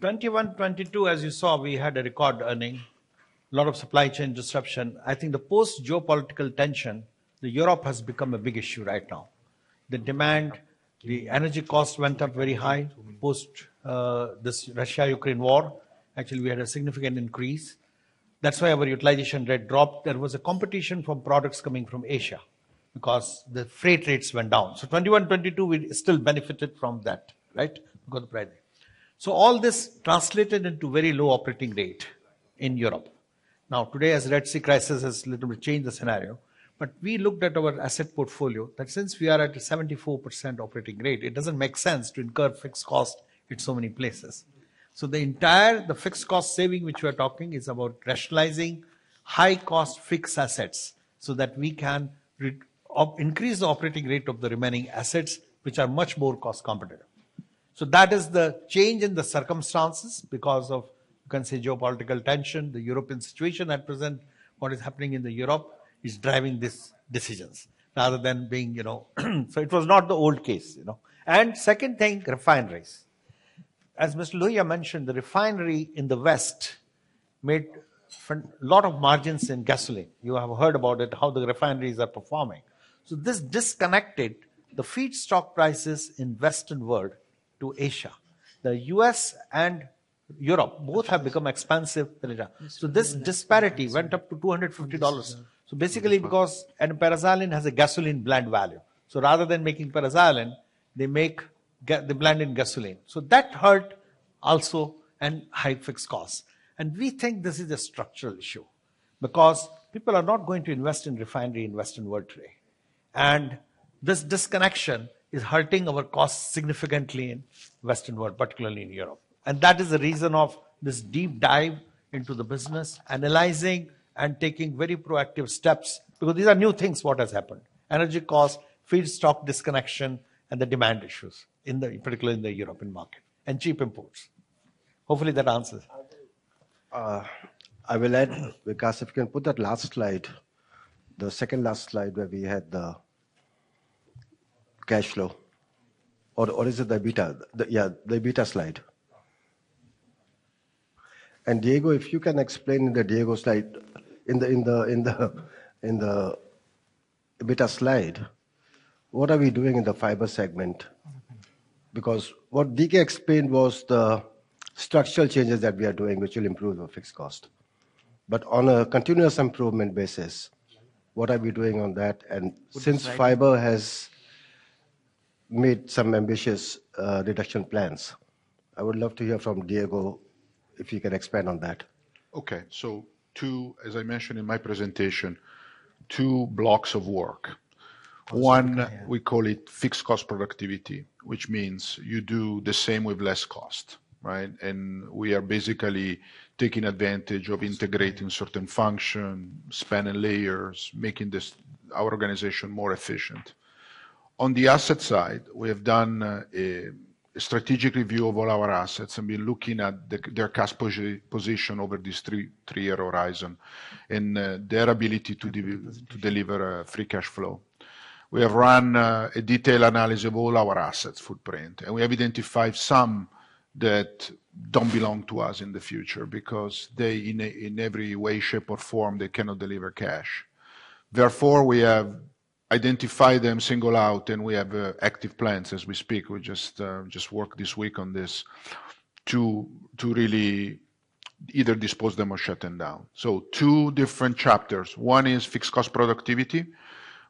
Speaker 3: 2021, 2022, as you saw, we had record earnings, a lot of supply chain disruption. I think the post geopolitical tension, Europe has become a big issue right now. The demand, the energy cost went up very high post this Russia-Ukraine war. Actually, we had a significant increase. That's why our utilization rate dropped. There was competition from products coming from Asia because the freight rates went down. 2021, 2022, we still benefited from that, right? Good price. All this translated into very low operating rate in Europe. Now, today, as Red Sea crisis has a little bit changed the scenario, but we looked at our asset portfolio that since we are at a 74% operating rate, it doesn't make sense to incur fixed cost in so many places. The entire fixed cost saving which we are talking is about rationalizing high-cost fixed assets so that we can increase the operating rate of the remaining assets, which are much more cost competitive. That is the change in the circumstances because of, you can say, geopolitical tension, the European situation at present, what is happening in Europe is driving these decisions rather than being, you know. It was not the old case, you know. Second thing, refineries. As Mr. Lohia mentioned, the refinery in the West made a lot of margins in gasoline. You have heard about it, how the refineries are performing. This disconnected the feedstock prices in Western world to Asia. The U.S. and Europe both have become more expensive than Asia. This disparity went up to $250. Basically because and paraxylene has a gasoline blend value. Rather than making paraxylene, they blend in gasoline. That hurt also and high fixed cost. We think this is a structural issue because people are not going to invest in refinery in Western world today. This disconnection is hurting our costs significantly in Western world, particularly in Europe. That is the reason of this deep dive into the business, analyzing and taking very proactive steps, because these are new things what has happened. Energy cost, feedstock disconnection, and the demand issues in the, particularly in the European market, and cheap imports. Hopefully, that answers.
Speaker 2: I will add, Vikash, if you can put that last slide, the second last slide where we had the cash flow or is it the EBITDA? Yeah, the EBITDA slide. Diego, if you can explain the Diego slide in the EBITDA slide, what are we doing in the fiber segment? Because what DK explained was the structural changes that we are doing, which will improve our fixed cost. But on a continuous improvement basis, what are we doing on that? Since Fiber has made some ambitious reduction plans, I would love to hear from Diego, if he can expand on that.
Speaker 6: Okay. Two, as I mentioned in my presentation, two blocks of work. One, we call it fixed cost productivity, which means you do the same with less cost, right? We are basically taking advantage of integrating certain function, spanning layers, making this, our organization more efficient. On the asset side, we have done a strategic review of all our assets and been looking at the, their cash position over this three-year horizon and, their ability to deliver, free cash flow. We have run a detailed analysis of all our assets footprint, and we have identified some that don't belong to us in the future because they, in every way, shape, or form, they cannot deliver cash. Therefore, we have identified them, singled out, and we have active plans as we speak. We just worked this week on this to really either dispose them or shut them down. Two different chapters. One is fixed cost productivity,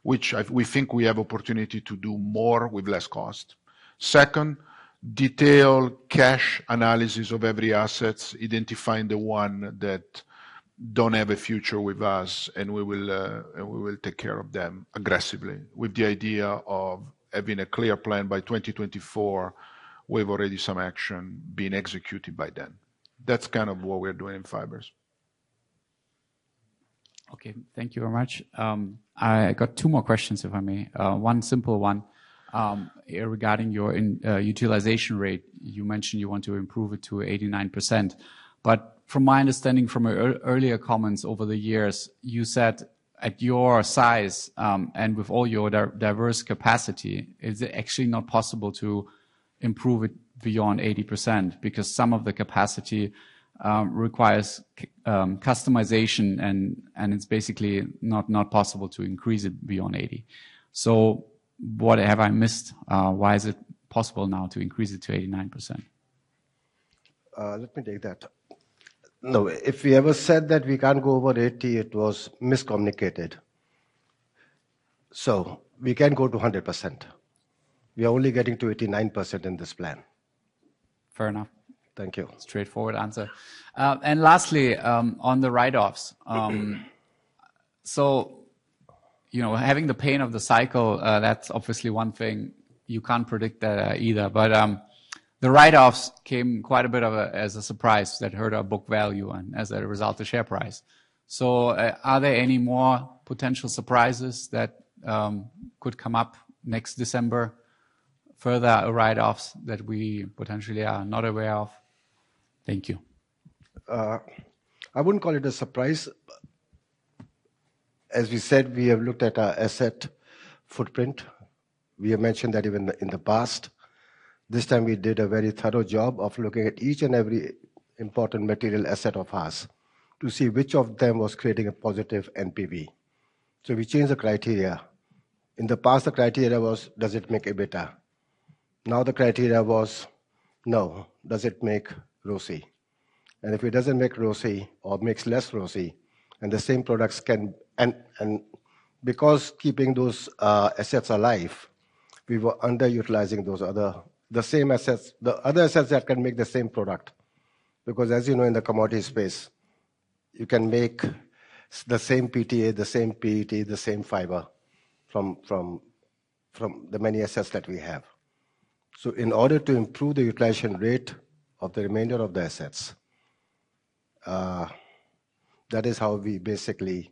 Speaker 6: which we think we have opportunity to do more with less cost. Second, detailed cash analysis of every assets, identifying the one that don't have a future with us, and we will take care of them aggressively with the idea of having a clear plan by 2024, with already some action being executed by then. That's kind of what we're doing in Fibers.
Speaker 7: Okay. Thank you very much. I got two more questions, if I may. One simple one, regarding your utilization rate. You mentioned you want to improve it to 89%. From my understanding from earlier comments over the years, you said at your size, and with all your diverse capacity, it's actually not possible to improve it beyond 80% because some of the capacity requires customization and it's basically not possible to increase it beyond 80%. What have I missed? Why is it possible now to increase it to 89%?
Speaker 2: Let me take that. No, if we ever said that we can't go over 80%, it was miscommunicated. We can go to 100%. We are only getting to 89% in this plan.
Speaker 7: Fair enough.
Speaker 2: Thank you.
Speaker 7: Straightforward answer. Lastly, on the write-offs. You know, having the pain of the cycle, that's obviously one thing. You can't predict that, either. The write-offs came as quite a bit of a surprise that hurt our book value and as a result, the share price. Are there any more potential surprises that could come up next December, further write-offs that we potentially are not aware of? Thank you.
Speaker 2: I wouldn't call it a surprise. As we said, we have looked at our asset footprint. We have mentioned that even in the past. This time we did a very thorough job of looking at each and every important material asset of ours to see which of them was creating a positive NPV. We changed the criteria. In the past, the criteria was, does it make EBITDA? Now, the criteria was, no, does it make ROCE? If it doesn't make ROCE or makes less ROCE. Because keeping those assets alive, we were underutilizing the other assets that can make the same product. Because as you know, in the commodity space, you can make the same PTA, the same PET, the same fiber from the many assets that we have. In order to improve the utilization rate of the remainder of the assets, that is how we basically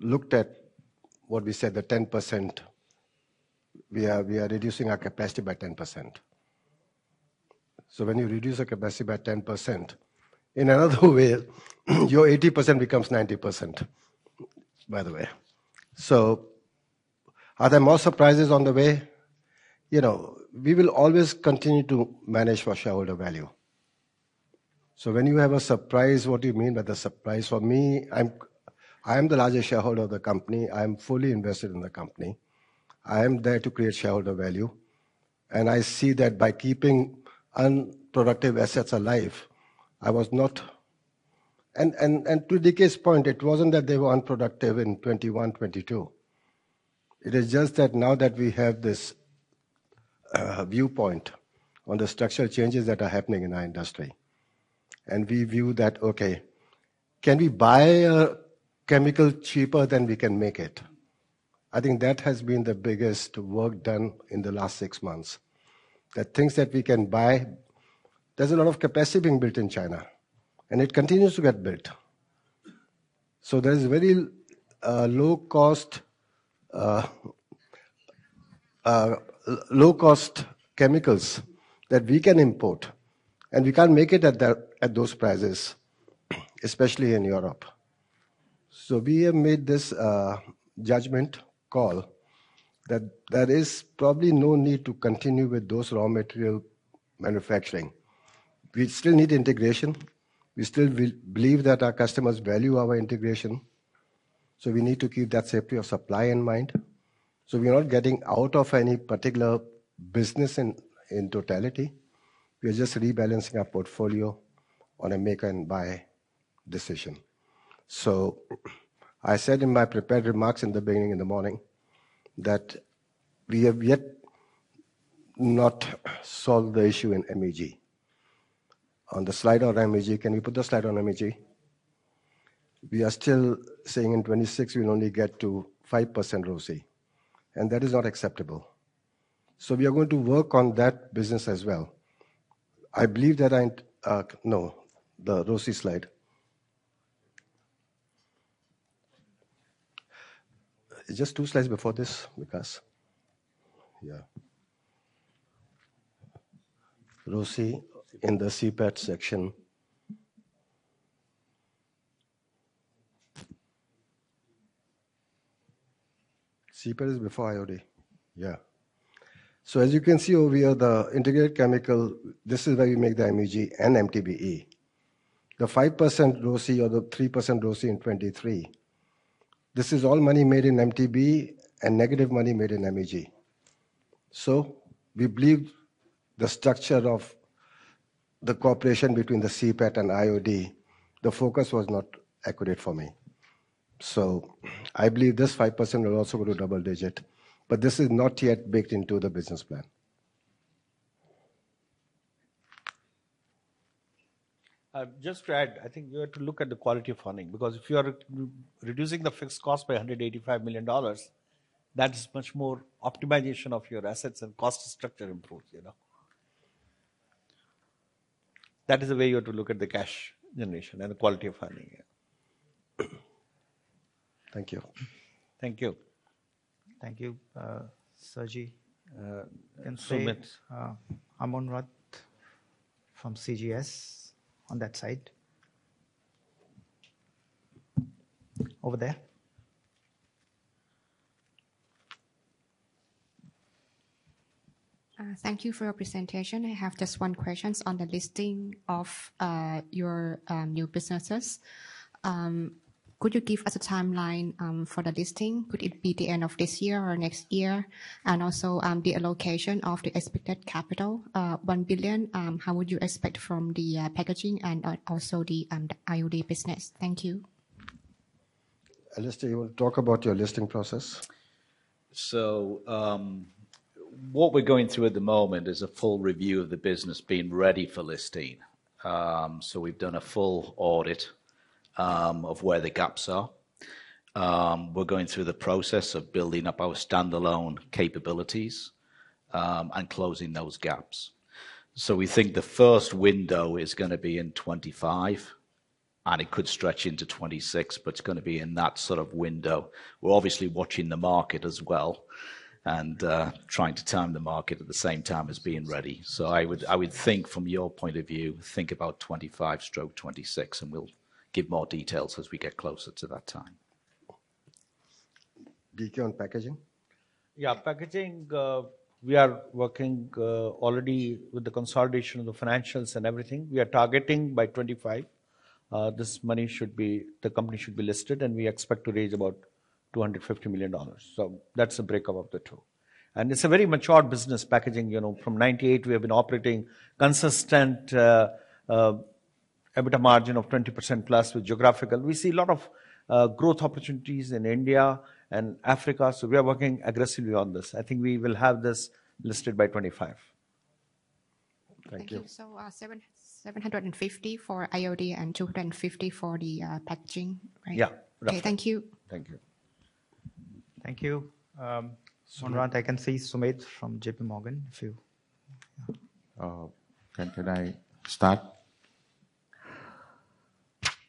Speaker 2: looked at what we said, the 10%. We are reducing our capacity by 10%. When you reduce your capacity by 10%, in another way, your 80% becomes 90%, by the way. Are there more surprises on the way? You know, we will always continue to manage for shareholder value. When you have a surprise, what do you mean by the surprise? For me, I'm, I am the largest shareholder of the company. I am fully invested in the company. I am there to create shareholder value, and I see that by keeping unproductive assets alive, I was not. And to DK's point, it wasn't that they were unproductive in 2021, 2022. It is just that now that we have this viewpoint on the structural changes that are happening in our industry, and we view that, okay, can we buy a chemical cheaper than we can make it? I think that has been the biggest work done in the last six months. The things that we can buy. There is a lot of capacity being built in China, and it continues to get built. There is very low cost chemicals that we can import, and we cannot make it at those prices, especially in Europe. We have made this judgment call that there is probably no need to continue with those raw material manufacturing. We still need integration. We still believe that our customers value our integration, so we need to keep that safety of supply in mind. We are not getting out of any particular business in totality. We are just rebalancing our portfolio on a make and buy decision. I said in my prepared remarks in the beginning, in the morning, that we have yet not solved the issue in MEG. On the slide on MEG, can we put the slide on MEG? We are still saying in 2026 we'll only get to 5% ROCE, and that is not acceptable. We are going to work on that business as well. The ROCE slide. It's just two slides before this, Vikash. ROCE in the CPET section. CPET is before IOD. As you can see over here, the integrated chemical, this is where you make the MEG and MTBE. The 5% ROCE or the 3% ROCE in 2023, this is all money made in MTBE and negative money made in MEG. We believe the structure of the cooperation between the CPET and IOD, the focus was not accurate for me. I believe this 5% will also go to double digit, but this is not yet baked into the business plan.
Speaker 3: Just to add, I think you have to look at the quality of funding, because if you are reducing the fixed cost by $185 million, that is much more optimization of your assets and cost structure improves, you know. That is the way you have to look at the cash generation and the quality of funding, yeah.
Speaker 2: Thank you.
Speaker 3: Thank you.
Speaker 1: Thank you, Saji.
Speaker 2: [Next].
Speaker 1: Amonrat from CGS on that side. Over there.
Speaker 8: Thank you for your presentation. I have just one question on the listing of your new businesses. Could you give us a timeline for the listing? Could it be the end of this year or next year? And also, the allocation of the expected capital, $1 billion, how would you expect from the packaging and also the IOD business? Thank you.
Speaker 2: Alastair, you want to talk about your listing process?
Speaker 5: What we're going through at the moment is a full review of the business being ready for listing. We've done a full audit of where the gaps are. We're going through the process of building up our standalone capabilities and closing those gaps. We think the first window is gonna be in 2025, and it could stretch into 2026, but it's gonna be in that sort of window. We're obviously watching the market as well and trying to time the market at the same time as being ready. I would think from your point of view, think about 2025/2026, and we'll give more details as we get closer to that time.
Speaker 2: DK on packaging.
Speaker 3: Yeah, packaging, we are working already with the consolidation of the financials and everything. We are targeting by 2025, this money should be the company should be listed, and we expect to raise about $250 million. That's the breakup of the two. It's a very mature business, packaging. You know, from 1998, we have been operating consistent EBITDA margin of 20%+ with geographical. We see a lot of growth opportunities in India and Africa, so we are working aggressively on this. I think we will have this listed by 2025.
Speaker 2: Thank you.
Speaker 8: Thank you. $750 million for IOD and $250 million for the packaging, right?
Speaker 2: Yeah.
Speaker 8: Okay. Thank you.
Speaker 2: Thank you.
Speaker 1: Thank you. Amonrat, I can see Sumedh from JPMorgan if you...
Speaker 9: Could I start?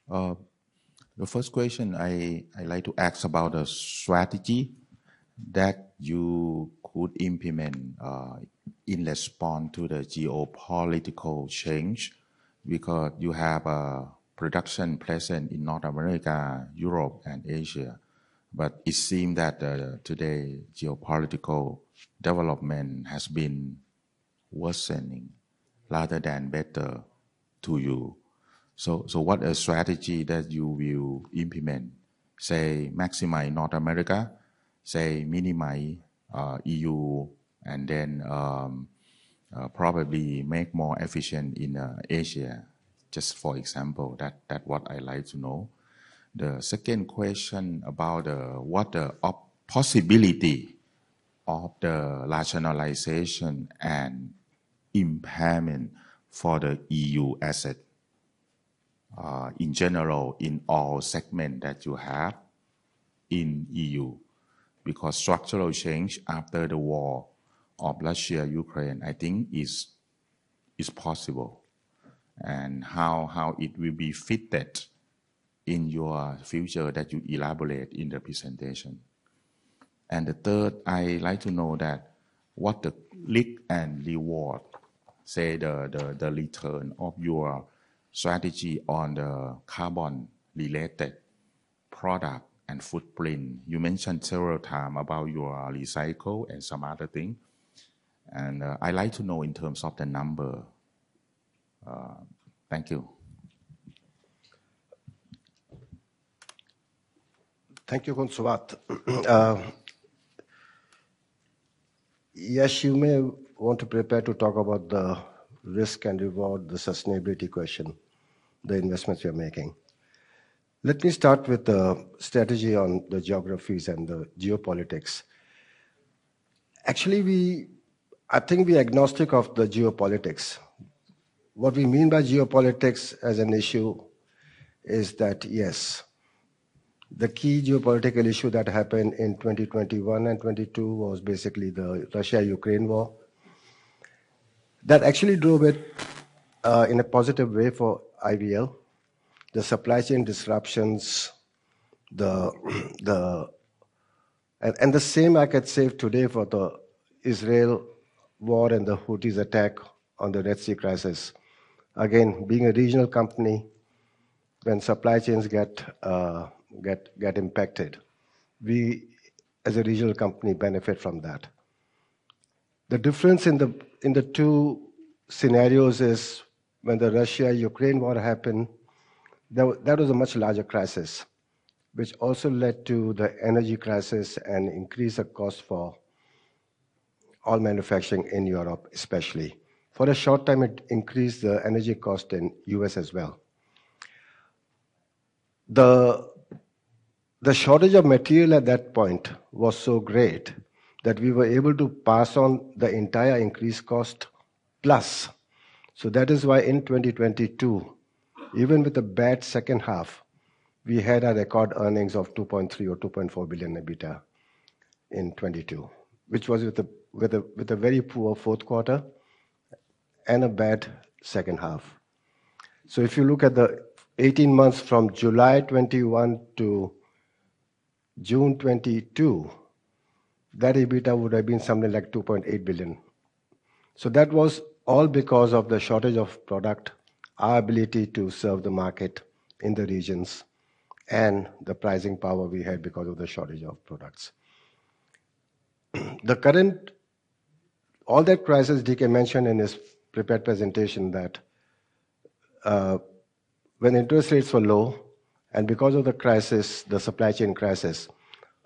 Speaker 9: The first question I like to ask about the strategy that you could implement in response to the geopolitical change because you have a production presence in North America, Europe, and Asia. But it seems that today geopolitical development has been worsening rather than better to you. What strategy that you will implement, say maximize North America, say minimize EU and then probably make more efficient in Asia, just for example. That what I like to know. The second question about what the possibility of the rationalization and impairment for the EU asset in general in all segment that you have in EU. Because structural change after the Russia-Ukraine war, I think is possible and how it will be fitted in your future that you elaborate in the presentation. The third, I like to know what the risk and reward, say the return of your strategy on the carbon-related product and footprint. You mentioned several times about your recycling and some other thing, and I like to know in terms of the number. Thank you.
Speaker 2: Thank you, Konsuat. Yes, you may want to prepare to talk about the risk and reward, the sustainability question, the investments you're making. Let me start with the strategy on the geographies and the geopolitics. Actually, I think we're agnostic of the geopolitics. What we mean by geopolitics as an issue is that, yes, the key geopolitical issue that happened in 2021 and 2022 was basically the Russia-Ukraine war. That actually drove it in a positive way for IVL. The supply chain disruptions, and the same I could say today for the Israel war and the Houthis attack on the Red Sea crisis. Again, being a regional company, when supply chains get impacted, we as a regional company benefit from that. The difference in the two scenarios is when the Russia-Ukraine war happened, that was a much larger crisis, which also led to the energy crisis and increase the cost for all manufacturing in Europe, especially. For a short time, it increased the energy cost in U.S. as well. The shortage of material at that point was so great that we were able to pass on the entire increased cost plus. That is why in 2022, even with a bad second half, we had a record earnings of $2.3 billion or $2.4 billion EBITDA in 2022, which was with a very poor fourth quarter and a bad second half. If you look at the 18 months from July 2021 to June 2022, that EBITDA would have been something like $2.8 billion. That was all because of the shortage of product, our ability to serve the market in the regions, and the pricing power we had because of the shortage of products. All that crisis DK mentioned in his prepared presentation that, when interest rates were low and because of the crisis, the supply chain crisis,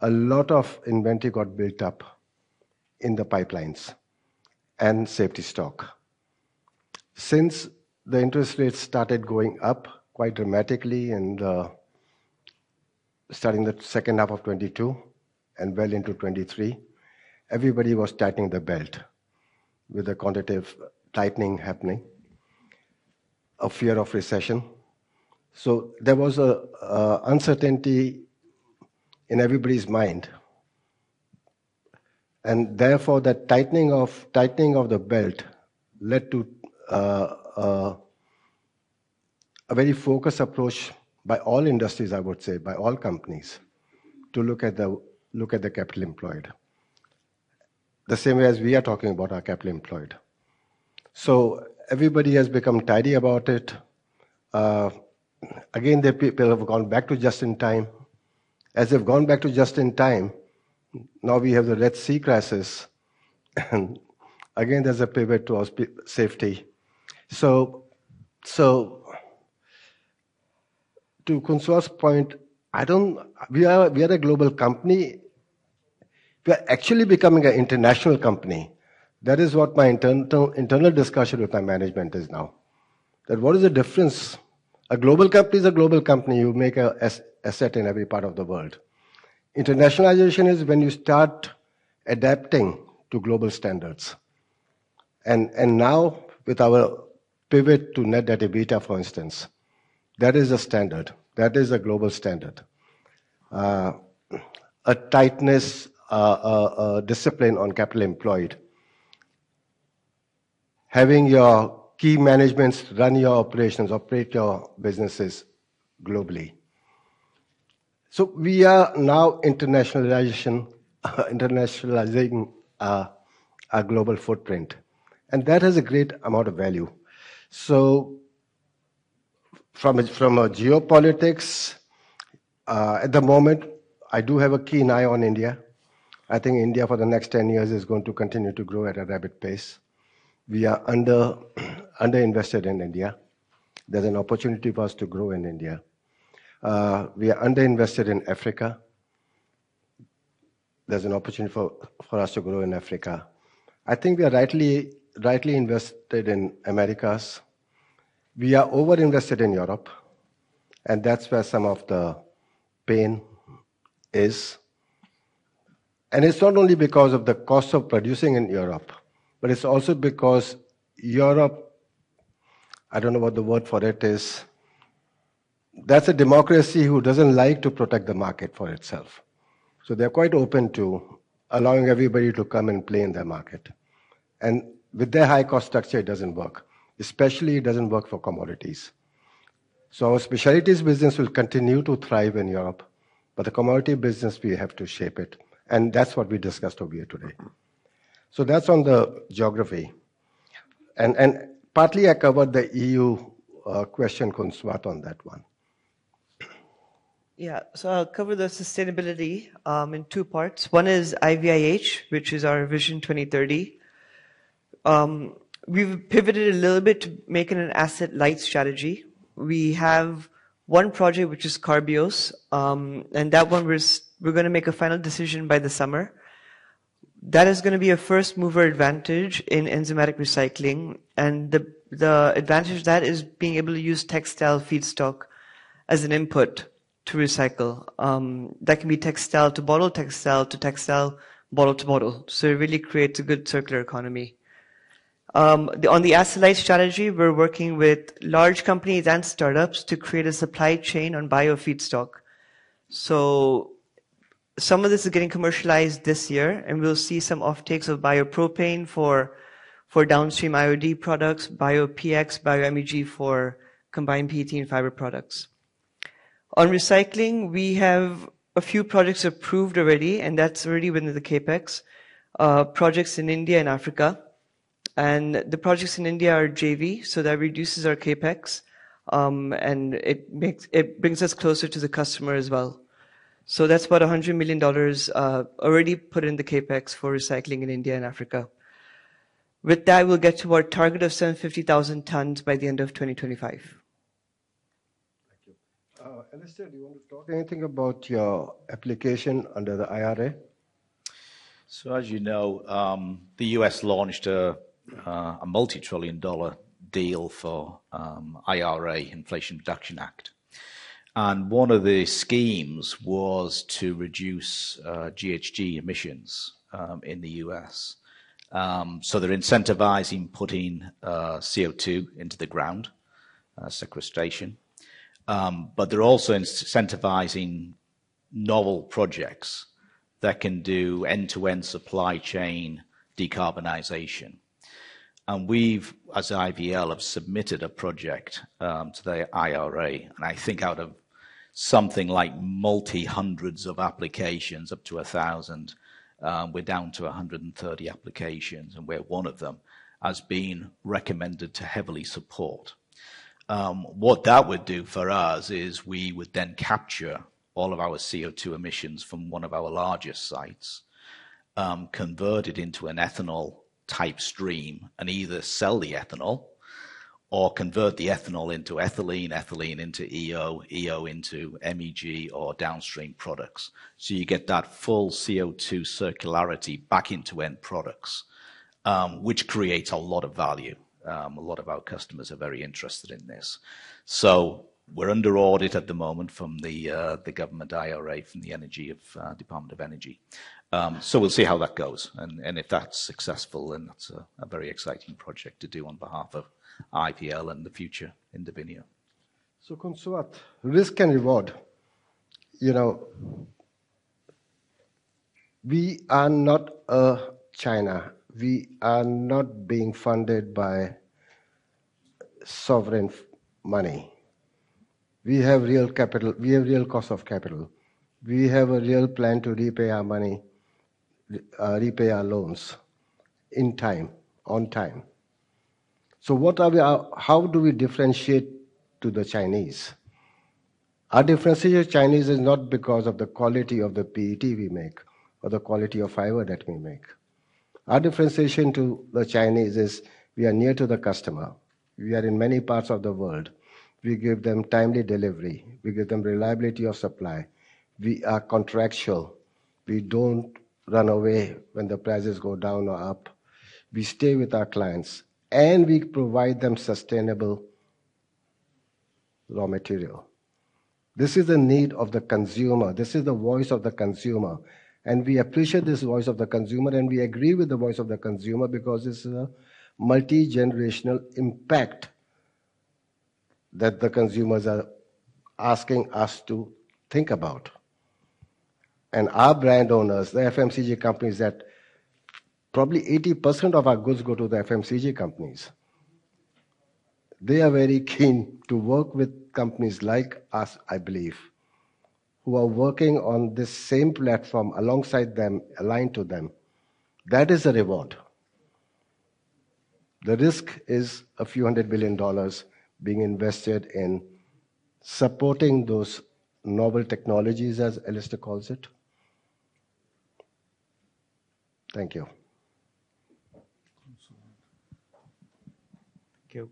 Speaker 2: a lot of inventory got built up in the pipelines and safety stock. Since the interest rates started going up quite dramatically and, starting the second half of 2022 and well into 2023, everybody was tightening their belt with the quantitative tightening happening, a fear of recession. There was a uncertainty in everybody's mind. Therefore, that tightening of the belt led to a very focused approach by all industries, I would say, by all companies, to look at the capital employed. The same way as we are talking about our capital employed. Everybody has become tidy about it. Again, their people have gone back to just in time. As they've gone back to just in time, now we have the Red Sea crisis, and again, there's a pivot towards safety. To Konsuat's point, we are a global company. We're actually becoming an international company. That is what my internal discussion with my management is now. That what is the difference? A global company is a global company, you make an asset in every part of the world. Internationalization is when you start adapting to global standards. Now with our pivot to net debt EBITDA, for instance, that is a standard. That is a global standard. A tightness, a discipline on capital employed. Having your key managements run your operations, operate your businesses globally. We are now internationalizing our global footprint, and that has a great amount of value. From geopolitics at the moment, I do have a keen eye on India. I think India for the next 10 years is going to continue to grow at a rapid pace. We are under-invested in India. There's an opportunity for us to grow in India. We are under-invested in Africa. There's an opportunity for us to grow in Africa. I think we are rightly invested in Americas. We are over-invested in Europe, and that's where some of the pain is. It's not only because of the cost of producing in Europe, but it's also because Europe, I don't know what the word for it is. That's a democracy who doesn't like to protect the market for itself. They're quite open to allowing everybody to come and play in their market. With their high cost structure, it doesn't work, especially it doesn't work for commodities. Our specialties business will continue to thrive in Europe, but the commodity business, we have to shape it, and that's what we discussed over here today. That's on the geography. Partly I covered the EU question, Yash, on that one.
Speaker 4: Yeah. I'll cover the sustainability in two parts. One is IVIH, which is our Vision 2030. We've pivoted a little bit to making an asset-light strategy. We have one project, which is Carbios, and that one we're gonna make a final decision by the summer. That is gonna be a first-mover advantage in enzymatic recycling, and the advantage of that is being able to use textile feedstock as an input to recycle. That can be textile to bottle, textile to textile, bottle to bottle. It really creates a good circular economy. On the asset-light strategy, we're working with large companies and startups to create a supply chain on bio feedstock. Some of this is getting commercialized this year, and we'll see some off-takes of biopropane for downstream IOD products, bio-PX, bio-MEG for Combined PET and fiber products. On recycling, we have a few projects approved already, and that's already within the CapEx projects in India and Africa. The projects in India are JV, so that reduces our CapEx, and it brings us closer to the customer as well. That's about $100 million already put in the CapEx for recycling in India and Africa. With that, we'll get to our target of 75,000 tons by the end of 2025.
Speaker 2: Thank you. Alastair, do you want to talk anything about your application under the IRA?
Speaker 5: As you know, the U.S. launched a multi-trillion-dollar deal for IRA, Inflation Reduction Act. One of the schemes was to reduce GHG emissions in the U.S. They're incentivizing putting CO2 into the ground, sequestration. They're also incentivizing novel projects that can do end-to-end supply chain decarbonization. We've, as IVL, have submitted a project to the IRA. I think out of something like multi-hundreds of applications, up to 1,000, we're down to 130 applications, and we're one of them, as being recommended to heavily support. What that would do for us is we would then capture all of our CO2 emissions from one of our largest sites, convert it into an ethanol-type stream, and either sell the ethanol or convert the ethanol into ethylene into EO into MEG or downstream products. You get that full CO2 circularity back into end products, which creates a lot of value. A lot of our customers are very interested in this. We're under audit at the moment from the government IRA, from the Energy of, Department of Energy. We'll see how that goes. If that's successful, then that's a very exciting project to do on behalf of IVL and the future Indovinya.
Speaker 2: Konsuat, risk and reward. You know, we are not a China. We are not being funded by Sovereign money. We have real capital. We have real cost of capital. We have a real plan to repay our money, repay our loans in time, on time. What are we, how do we differentiate to the Chinese? Our differentiation with Chinese is not because of the quality of the PET we make or the quality of fiber that we make. Our differentiation to the Chinese is we are near to the customer. We are in many parts of the world. We give them timely delivery. We give them reliability of supply. We are contractual. We don't run away when the prices go down or up. We stay with our clients, and we provide them sustainable raw material. This is the need of the consumer, this is the voice of the consumer, and we appreciate this voice of the consumer, and we agree with the voice of the consumer because it's a multi-generational impact that the consumers are asking us to think about. Our brand owners, the FMCG companies that probably 80% of our goods go to the FMCG companies. They are very keen to work with companies like us, I believe, who are working on this same platform alongside them, aligned to them. That is a reward. The risk is a few hundred billion dollars being invested in supporting those novel technologies, as Alastair calls it. Thank you.
Speaker 9: Thank you.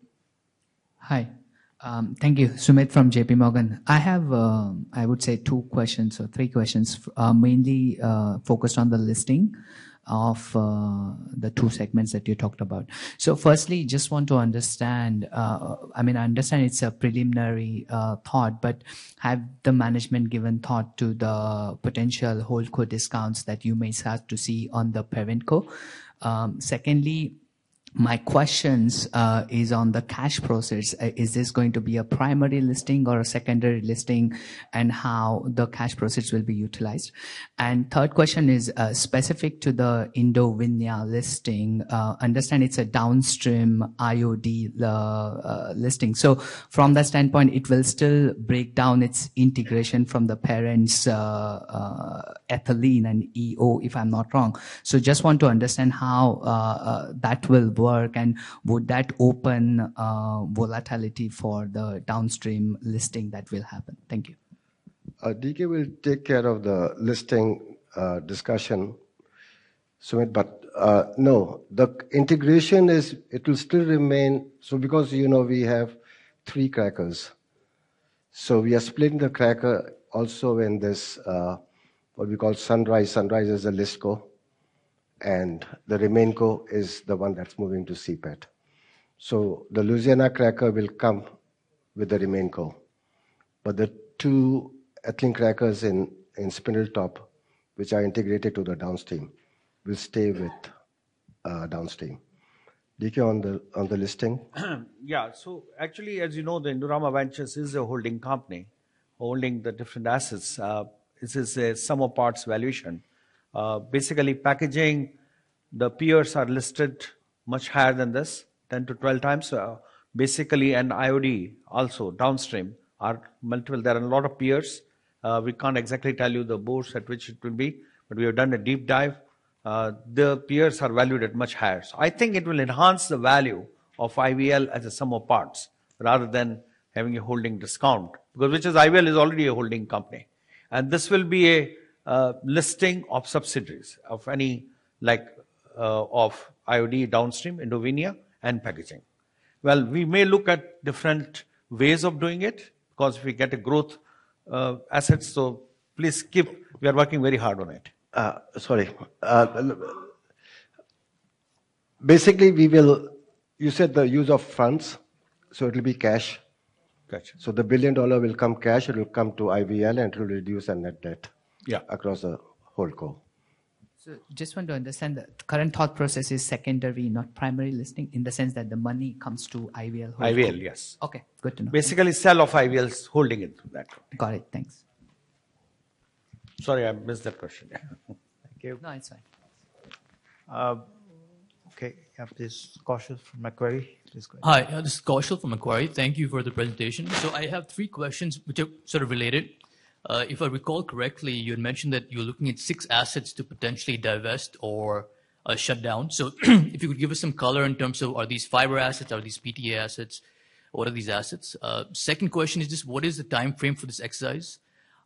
Speaker 10: Hi. Thank you. Sumedh from JPMorgan. I have, I would say two questions or three questions, mainly, focused on the listing of, the two segments that you talked about. Firstly, just want to understand. I mean, I understand it's a preliminary, thought, but have the management given thought to the potential holdco discounts that you may start to see on the parent co? Secondly, my questions is on the cash proceeds. Is this going to be a primary listing or a secondary listing, and how the cash proceeds will be utilized? Third question is, specific to the Indovinya listing. Understand it's a downstream IOD, listing. From that standpoint, it will still break down its integration from the parent's, ethylene and EO, if I'm not wrong. I just want to understand how that will work and would that open volatility for the downstream listing that will happen. Thank you.
Speaker 2: DK will take care of the listing discussion, Sumedh. No, the integration is it will still remain because, you know, we have three crackers, so we are splitting the cracker also in this what we call Sunrise. Sunrise is a ListCo, and the RemainCo is the one that's moving to CPET. The Louisiana cracker will come with the RemainCo. The two ethylene crackers in Spindletop, which are integrated to the downstream, will stay with downstream. DK, on the listing.
Speaker 3: Yeah. Actually, as you know, the Indorama Ventures is a holding company, holding the different assets. This is a sum of parts valuation. Basically packaging, the peers are listed much higher than this, 10x-12x. Basically an IOD also Downstream are multiple. There are a lot of peers. We can't exactly tell you the board's at which it will be, but we have done a deep dive. The peers are valued much higher. I think it will enhance the value of IVL as a sum of parts rather than having a holding discount. Because IVL is already a holding company. This will be a listing of subsidiaries of any like of IOD Downstream, Indovinya and packaging. Well, we may look at different ways of doing it because we get a growth assets. Please keep. We are working very hard on it.
Speaker 2: Sorry. Basically, you said the use of funds, so it'll be cash.
Speaker 10: Got you.
Speaker 2: The $1 billion will come cash, it will come to IVL and it will reduce our net debt.
Speaker 3: Yeah.
Speaker 2: Across the holdco.
Speaker 10: Just want to understand the current thought process is secondary, not primary listing, in the sense that the money comes to IVL holding.
Speaker 2: IVL, yes.
Speaker 10: Okay, good to know.
Speaker 2: Basically sell off IVL's holding it that way.
Speaker 10: Got it. Thanks.
Speaker 2: Sorry, I missed that question. Thank you.
Speaker 10: No, it's fine.
Speaker 1: Okay. I have this Kaushal from Macquarie. Please go ahead.
Speaker 11: Hi. This is Kaushal from Macquarie. Thank you for the presentation. I have three questions which are sort of related. If I recall correctly, you had mentioned that you're looking at six assets to potentially divest or shut down. If you could give us some color in terms of are these fiber assets, are these PTA assets? What are these assets? Second question is just what is the timeframe for this exercise?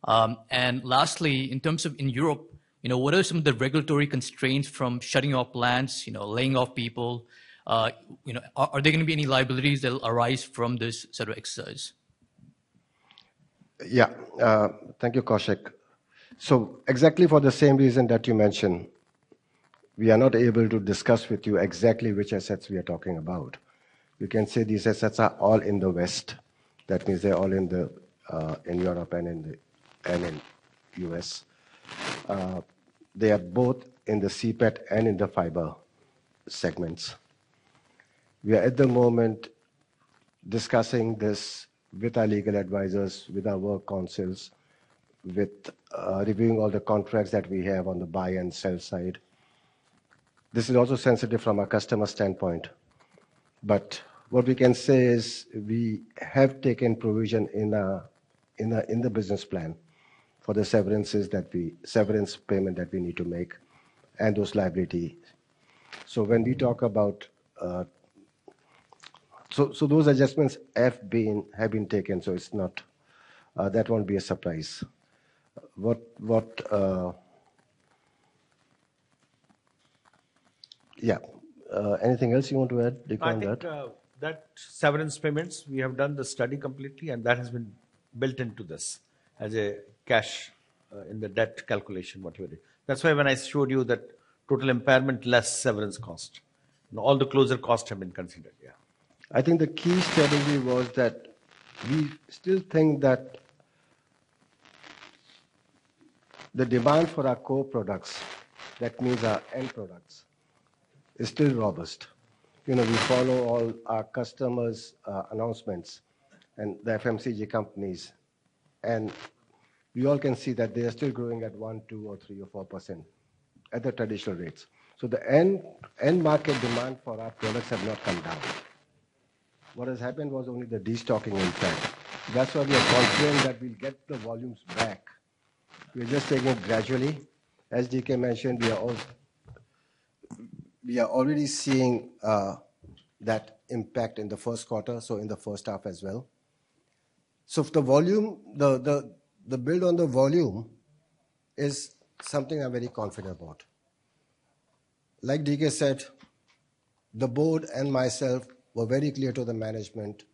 Speaker 11: And lastly, in terms of in Europe, you know, what are some of the regulatory constraints from shutting off plants, you know, laying off people? You know, are there gonna be any liabilities that'll arise from this sort of exercise?
Speaker 2: Yeah. Thank you, Kaushal. Exactly for the same reason that you mentioned, we are not able to discuss with you exactly which assets we are talking about. You can say these assets are all in the West. That means they're all in Europe and in the U.S. They are both in the CPET and in the fiber segments. We are at the moment discussing this with our legal advisors, with our work councils, with reviewing all the contracts that we have on the buy and sell side. This is also sensitive from a customer standpoint. What we can say is we have taken provision in the business plan for the severance payment that we need to make and those liability. When we talk about... Those adjustments have been taken, so it's not that won't be a surprise. What? Yeah. Anything else you want to add, DK, on that?
Speaker 3: I think that severance payments, we have done the study completely, and that has been built into this as a cash in the debt calculation, what you were doing. That's why when I showed you that total impairment less severance cost, and all the closure costs have been considered. Yeah.
Speaker 2: I think the key strategy was that we still think that the demand for our core products, that means our end products, is still robust. You know, we follow all our customers' announcements and the FMCG companies. You all can see that they are still growing at 1%, 2%, or 3%, or 4% at the traditional rates. The end market demand for our products have not come down. What has happened was only the destocking impact. That's why we are confident that we'll get the volumes back. We're just taking it gradually. As DK mentioned, we are already seeing that impact in the first quarter, so in the first half as well. The build on the volume is something I'm very confident about. Like DK said, the board and myself were very clear to the management,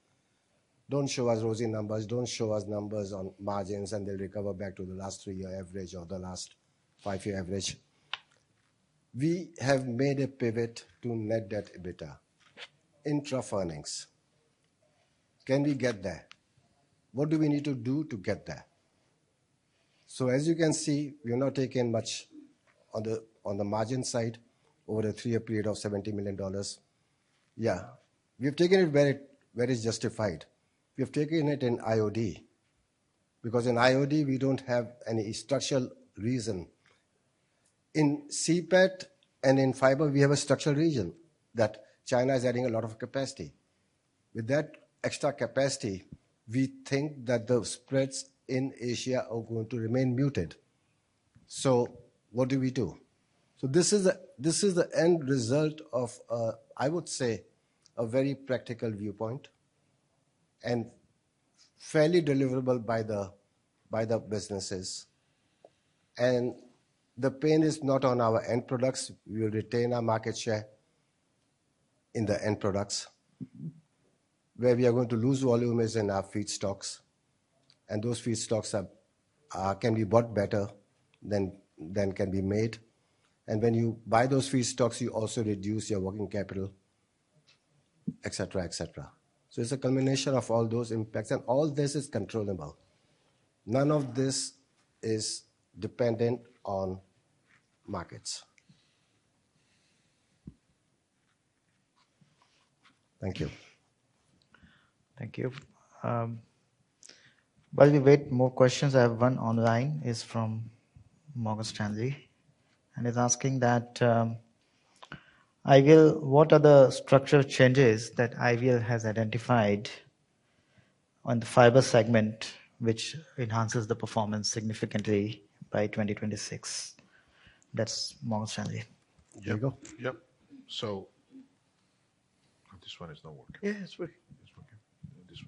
Speaker 2: "Don't show us rosy numbers. Don't show us numbers on margins, and they'll recover back to the last three-year average or the last five-year average." We have made a pivot to net debt EBITDA, intra earnings. Can we get there? What do we need to do to get there? As you can see, we are not taking much on the margin side over a three-year period of $70 million. Yeah. We've taken it where it's justified. We have taken it in IOD because in IOD we don't have any structural reason. In CPET and in Fibers we have a structural reason that China is adding a lot of capacity. With that extra capacity, we think that the spreads in Asia are going to remain muted. What do we do? This is the end result of a very practical viewpoint and fairly deliverable by the businesses. The pain is not on our end products. We will retain our market share in the end products. Where we are going to lose volume is in our feedstocks, and those feedstocks can be bought better than can be made. When you buy those feedstocks, you also reduce your working capital, et cetera, et cetera. It's a combination of all those impacts, and all this is controllable. None of this is dependent on markets. Thank you.
Speaker 1: Thank you. While we wait for more questions, I have one online. It's from Morgan Stanley, and it's asking what are the structural changes that IVL has identified on the fiber segment which enhances the performance significantly by 2026? That's Morgan Stanley.
Speaker 6: Yep.
Speaker 1: Here we go.
Speaker 6: Yep. This one is not working.
Speaker 1: Yeah, it's working.
Speaker 6: It's working. This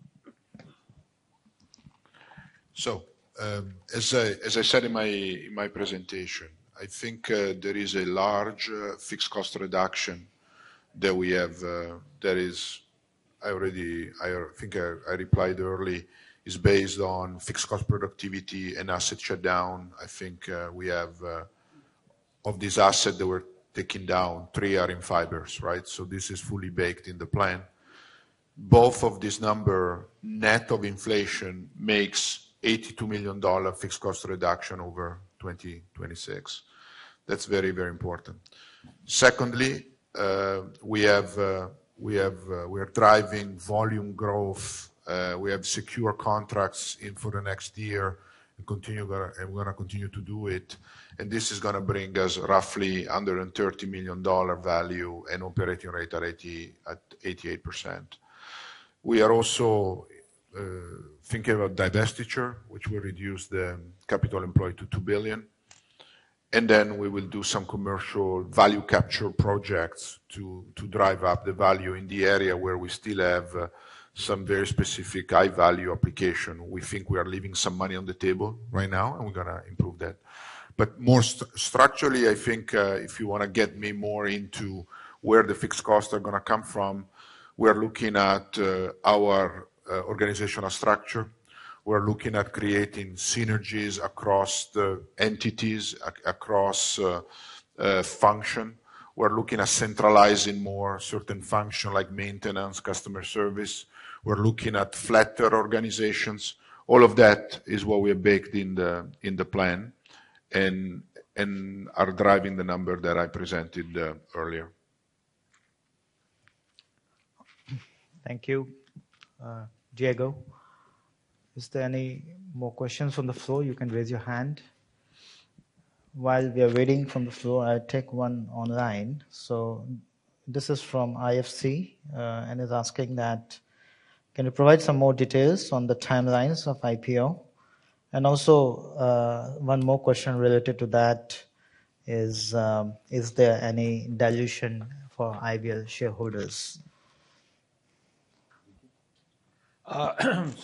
Speaker 6: one. As I said in my presentation, I think there is a large fixed cost reduction that we have that is. I already, I think I replied earlier is based on fixed cost productivity and asset shutdown. I think we have of this asset that we're taking down, three are in Fibers, right? This is fully baked in the plan. Both of this number, net of inflation, makes $82 million fixed cost reduction over 2026. That's very, very important. Secondly, we are driving volume growth. We have secure contracts in for the next year and we're going to continue to do it, and this is going to bring us roughly under a $30 million value and operating rate at 88%. We are also thinking about divestiture, which will reduce the capital employed to $2 billion, and then we will do some commercial value capture projects to drive up the value in the area where we still have some very specific high-value application. We think we are leaving some money on the table right now, and we're going to improve that. More structurally, I think, if you want to get me more into where the fixed costs are going to come from, we are looking at our organizational structure. We're looking at creating synergies across the entities, across function. We're looking at centralizing more certain function like maintenance, customer service. We're looking at flatter organizations. All of that is what we have baked in the plan and are driving the number that I presented earlier.
Speaker 1: Thank you, Diego. Is there any more questions from the floor? You can raise your hand. While we are waiting from the floor, I'll take one online. This is from IFC, and is asking that, can you provide some more details on the timelines of IPO? And also, one more question related to that is there any dilution for IVL shareholders?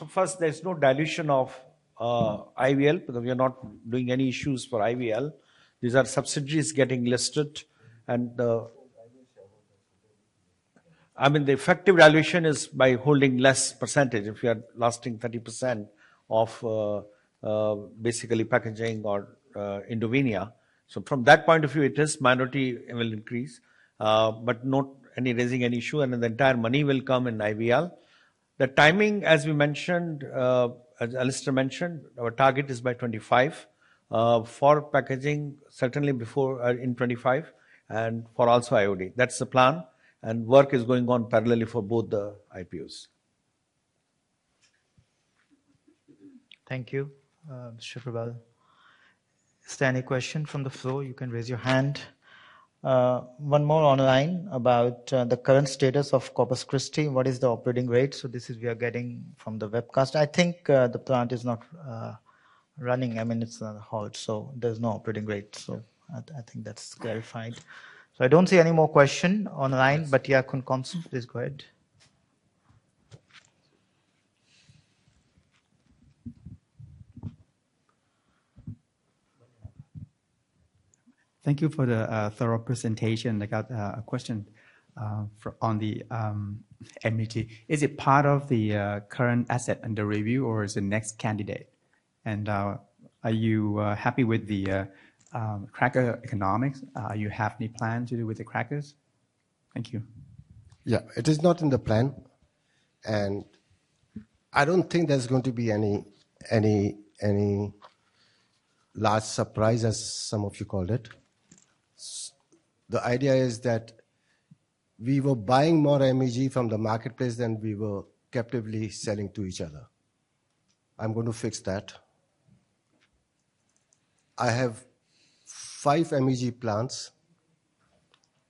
Speaker 2: First, there's no dilution of IVL because we are not doing any issues for IVL. These are subsidiaries getting listed and...I mean, the effective valuation is by holding less percentage. If you are holding 30% of basically packaging or Indovinya. From that point of view, it is minority; it will increase, but not raising any issue and then the entire money will come in IVL. The timing, as we mentioned, as Alastair mentioned, our target is by 2025. For packaging, certainly before in 2025 and also for IOD. That's the plan, and work is going on parallelly for both the IPOs.
Speaker 1: Thank you, Kaushal. Is there any question from the floor? You can raise your hand. One more online about the current status of Corpus Christi. What is the operating rate? This is we are getting from the webcast. I think the plant is not running. I mean, it's halted, so there's no operating rate. I think that's clarified. I don't see any more question online. Yeah, Komsun Suksumrun, please go ahead.
Speaker 12: Thank you for the thorough presentation. I got a question on the MEG. Is it part of the current asset under review or is it next candidate? Are you happy with the cracker economics? You have any plan to do with the crackers? Thank you.
Speaker 2: Yeah, it is not in the plan. I don't think there's going to be any large surprise, as some of you called it. The idea is that we were buying more MEG from the marketplace than we were captively selling to each other. I'm gonna fix that. I have five MEG plants,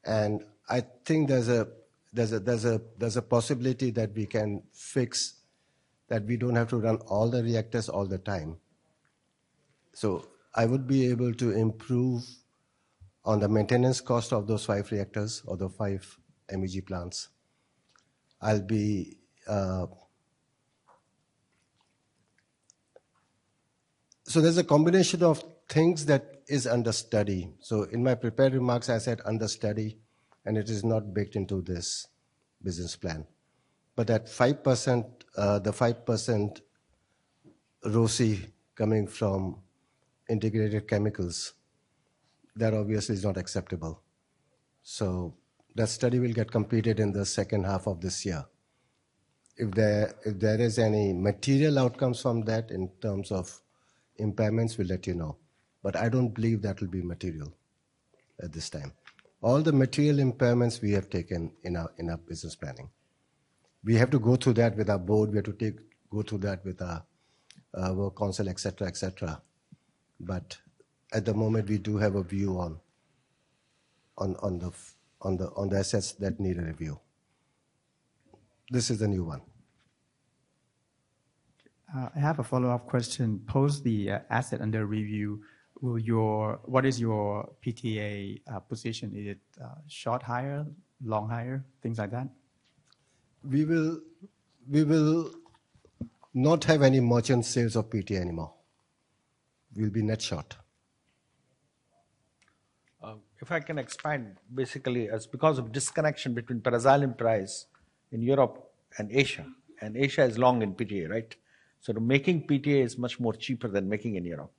Speaker 2: and I think there's a possibility that we can fix that we don't have to run all the reactors all the time. I would be able to improve on the maintenance cost of those five reactors or the five MEG plants. There's a combination of things that is under study. In my prepared remarks, I said under study, and it is not baked into this business plan. That 5%, the 5% ROCE coming from integrated chemicals, that obviously is not acceptable. That study will get completed in the second half of this year. If there is any material outcomes from that in terms of impairments, we'll let you know. I don't believe that will be material at this time. All the material impairments we have taken in our business planning. We have to go through that with our board. We have to go through that with our work council, et cetera. At the moment, we do have a view on the assets that need a review. This is a new one.
Speaker 12: I have a follow-up question. Post the asset under review, what is your PTA position? Is it short hire, long hire, things like that?
Speaker 2: We will not have any merchant sales of PTA anymore. We'll be net short.
Speaker 3: If I can expand, basically, it's because of disconnection between paraxylene price in Europe and Asia, and Asia is long in PTA, right? So making PTA is much more cheaper than making in Europe.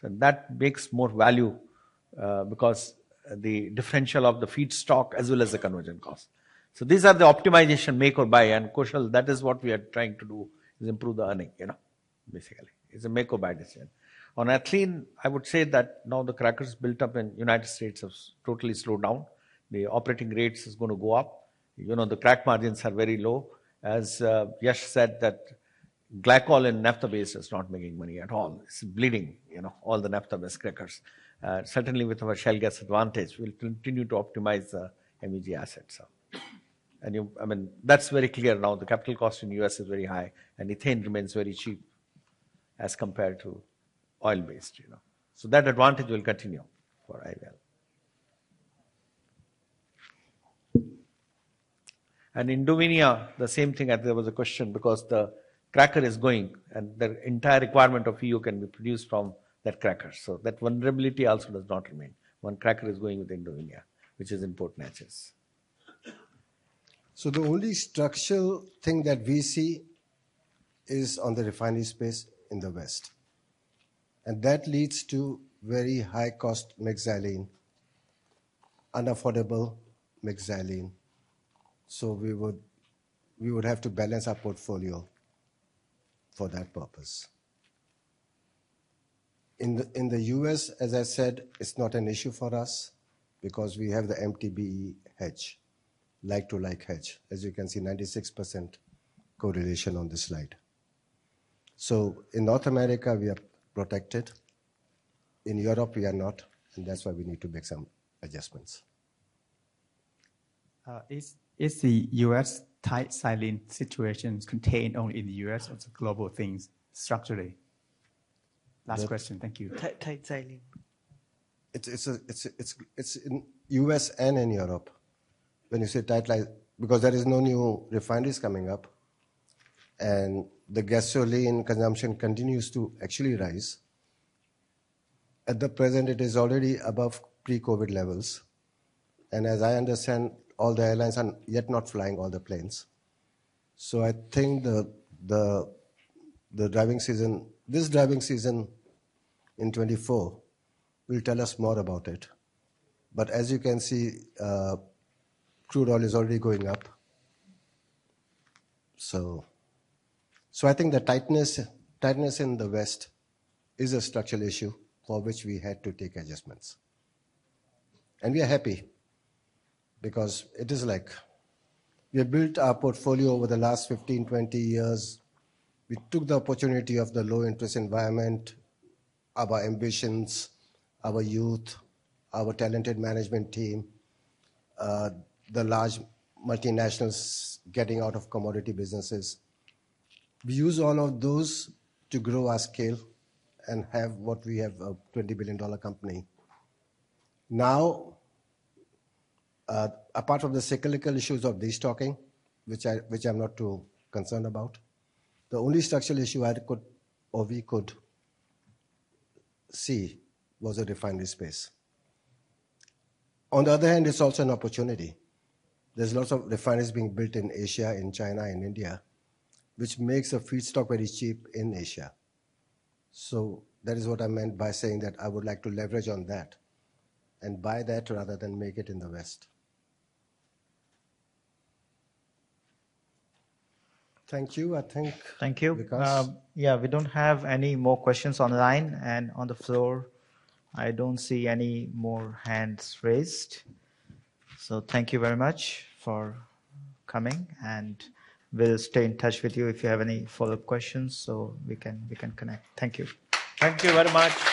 Speaker 3: So that makes more value, because the differential of the feedstock as well as the conversion cost. So these are the optimization make or buy, and Kaushal, that is what we are trying to do, is improve the earning, you know, basically. It's a make or buy decision. On ethylene, I would say that now the crackers built up in United States has totally slowed down. The operating rates is gonna go up. You know, the crack margins are very low. As Yash said that glycol and naphtha base is not making money at all. It's bleeding, you know, all the naphtha-based crackers. Certainly with our shale gas advantage, we'll continue to optimize the MEG assets. I mean, that's very clear now. The capital cost in U.S. is very high, and ethane remains very cheap as compared to oil-based, you know. That advantage will continue for IVL. Indovinya, the same thing, and there was a question because the cracker is going, and the entire requirement of EU can be produced from that cracker. That vulnerability also does not remain. One cracker is going with Indovinya, which is import matches.
Speaker 2: The only structural thing that we see is on the refinery space in the West. That leads to very high cost metaxylene, unaffordable metaxylene. We would have to balance our portfolio for that purpose. In the U.S., as I said, it's not an issue for us because we have the MTBE hedge, like-to-like hedge. As you can see, 96% correlation on this slide. In North America, we are protected. In Europe, we are not, and that's why we need to make some adjustments.
Speaker 12: Is the U.S. tight xylene situation contained only in the U.S., or is it a global thing structurally? Last question. Thank you.
Speaker 4: Tight xylene.
Speaker 2: It's in U.S. and in Europe. When you say tight because there is no new refineries coming up, and the gasoline consumption continues to actually rise. At the present, it is already above pre-COVID levels. As I understand, all the airlines are yet not flying all the planes. I think the driving season, this driving season in 2024 will tell us more about it. As you can see, crude oil is already going up. I think the tightness in the West is a structural issue for which we had to take adjustments. We are happy because it is like we have built our portfolio over the last 15 years, 20 years. We took the opportunity of the low interest environment, our ambitions, our youth, our talented management team, the large multinationals getting out of commodity businesses. We use all of those to grow our scale and have what we have, a $20 billion company. Now, apart from the cyclical issues of destocking, which I'm not too concerned about, the only structural issue I could or we could see was the refinery space. On the other hand, it's also an opportunity. There's lots of refineries being built in Asia, in China, in India, which makes a feedstock very cheap in Asia. So that is what I meant by saying that I would like to leverage on that and buy that rather than make it in the West. Thank you. I think.
Speaker 12: Thank you.
Speaker 2: Vikash.
Speaker 1: Yeah, we don't have any more questions online and on the floor. I don't see any more hands raised. Thank you very much for coming, and we'll stay in touch with you if you have any follow-up questions, so we can connect. Thank you.
Speaker 2: Thank you very much.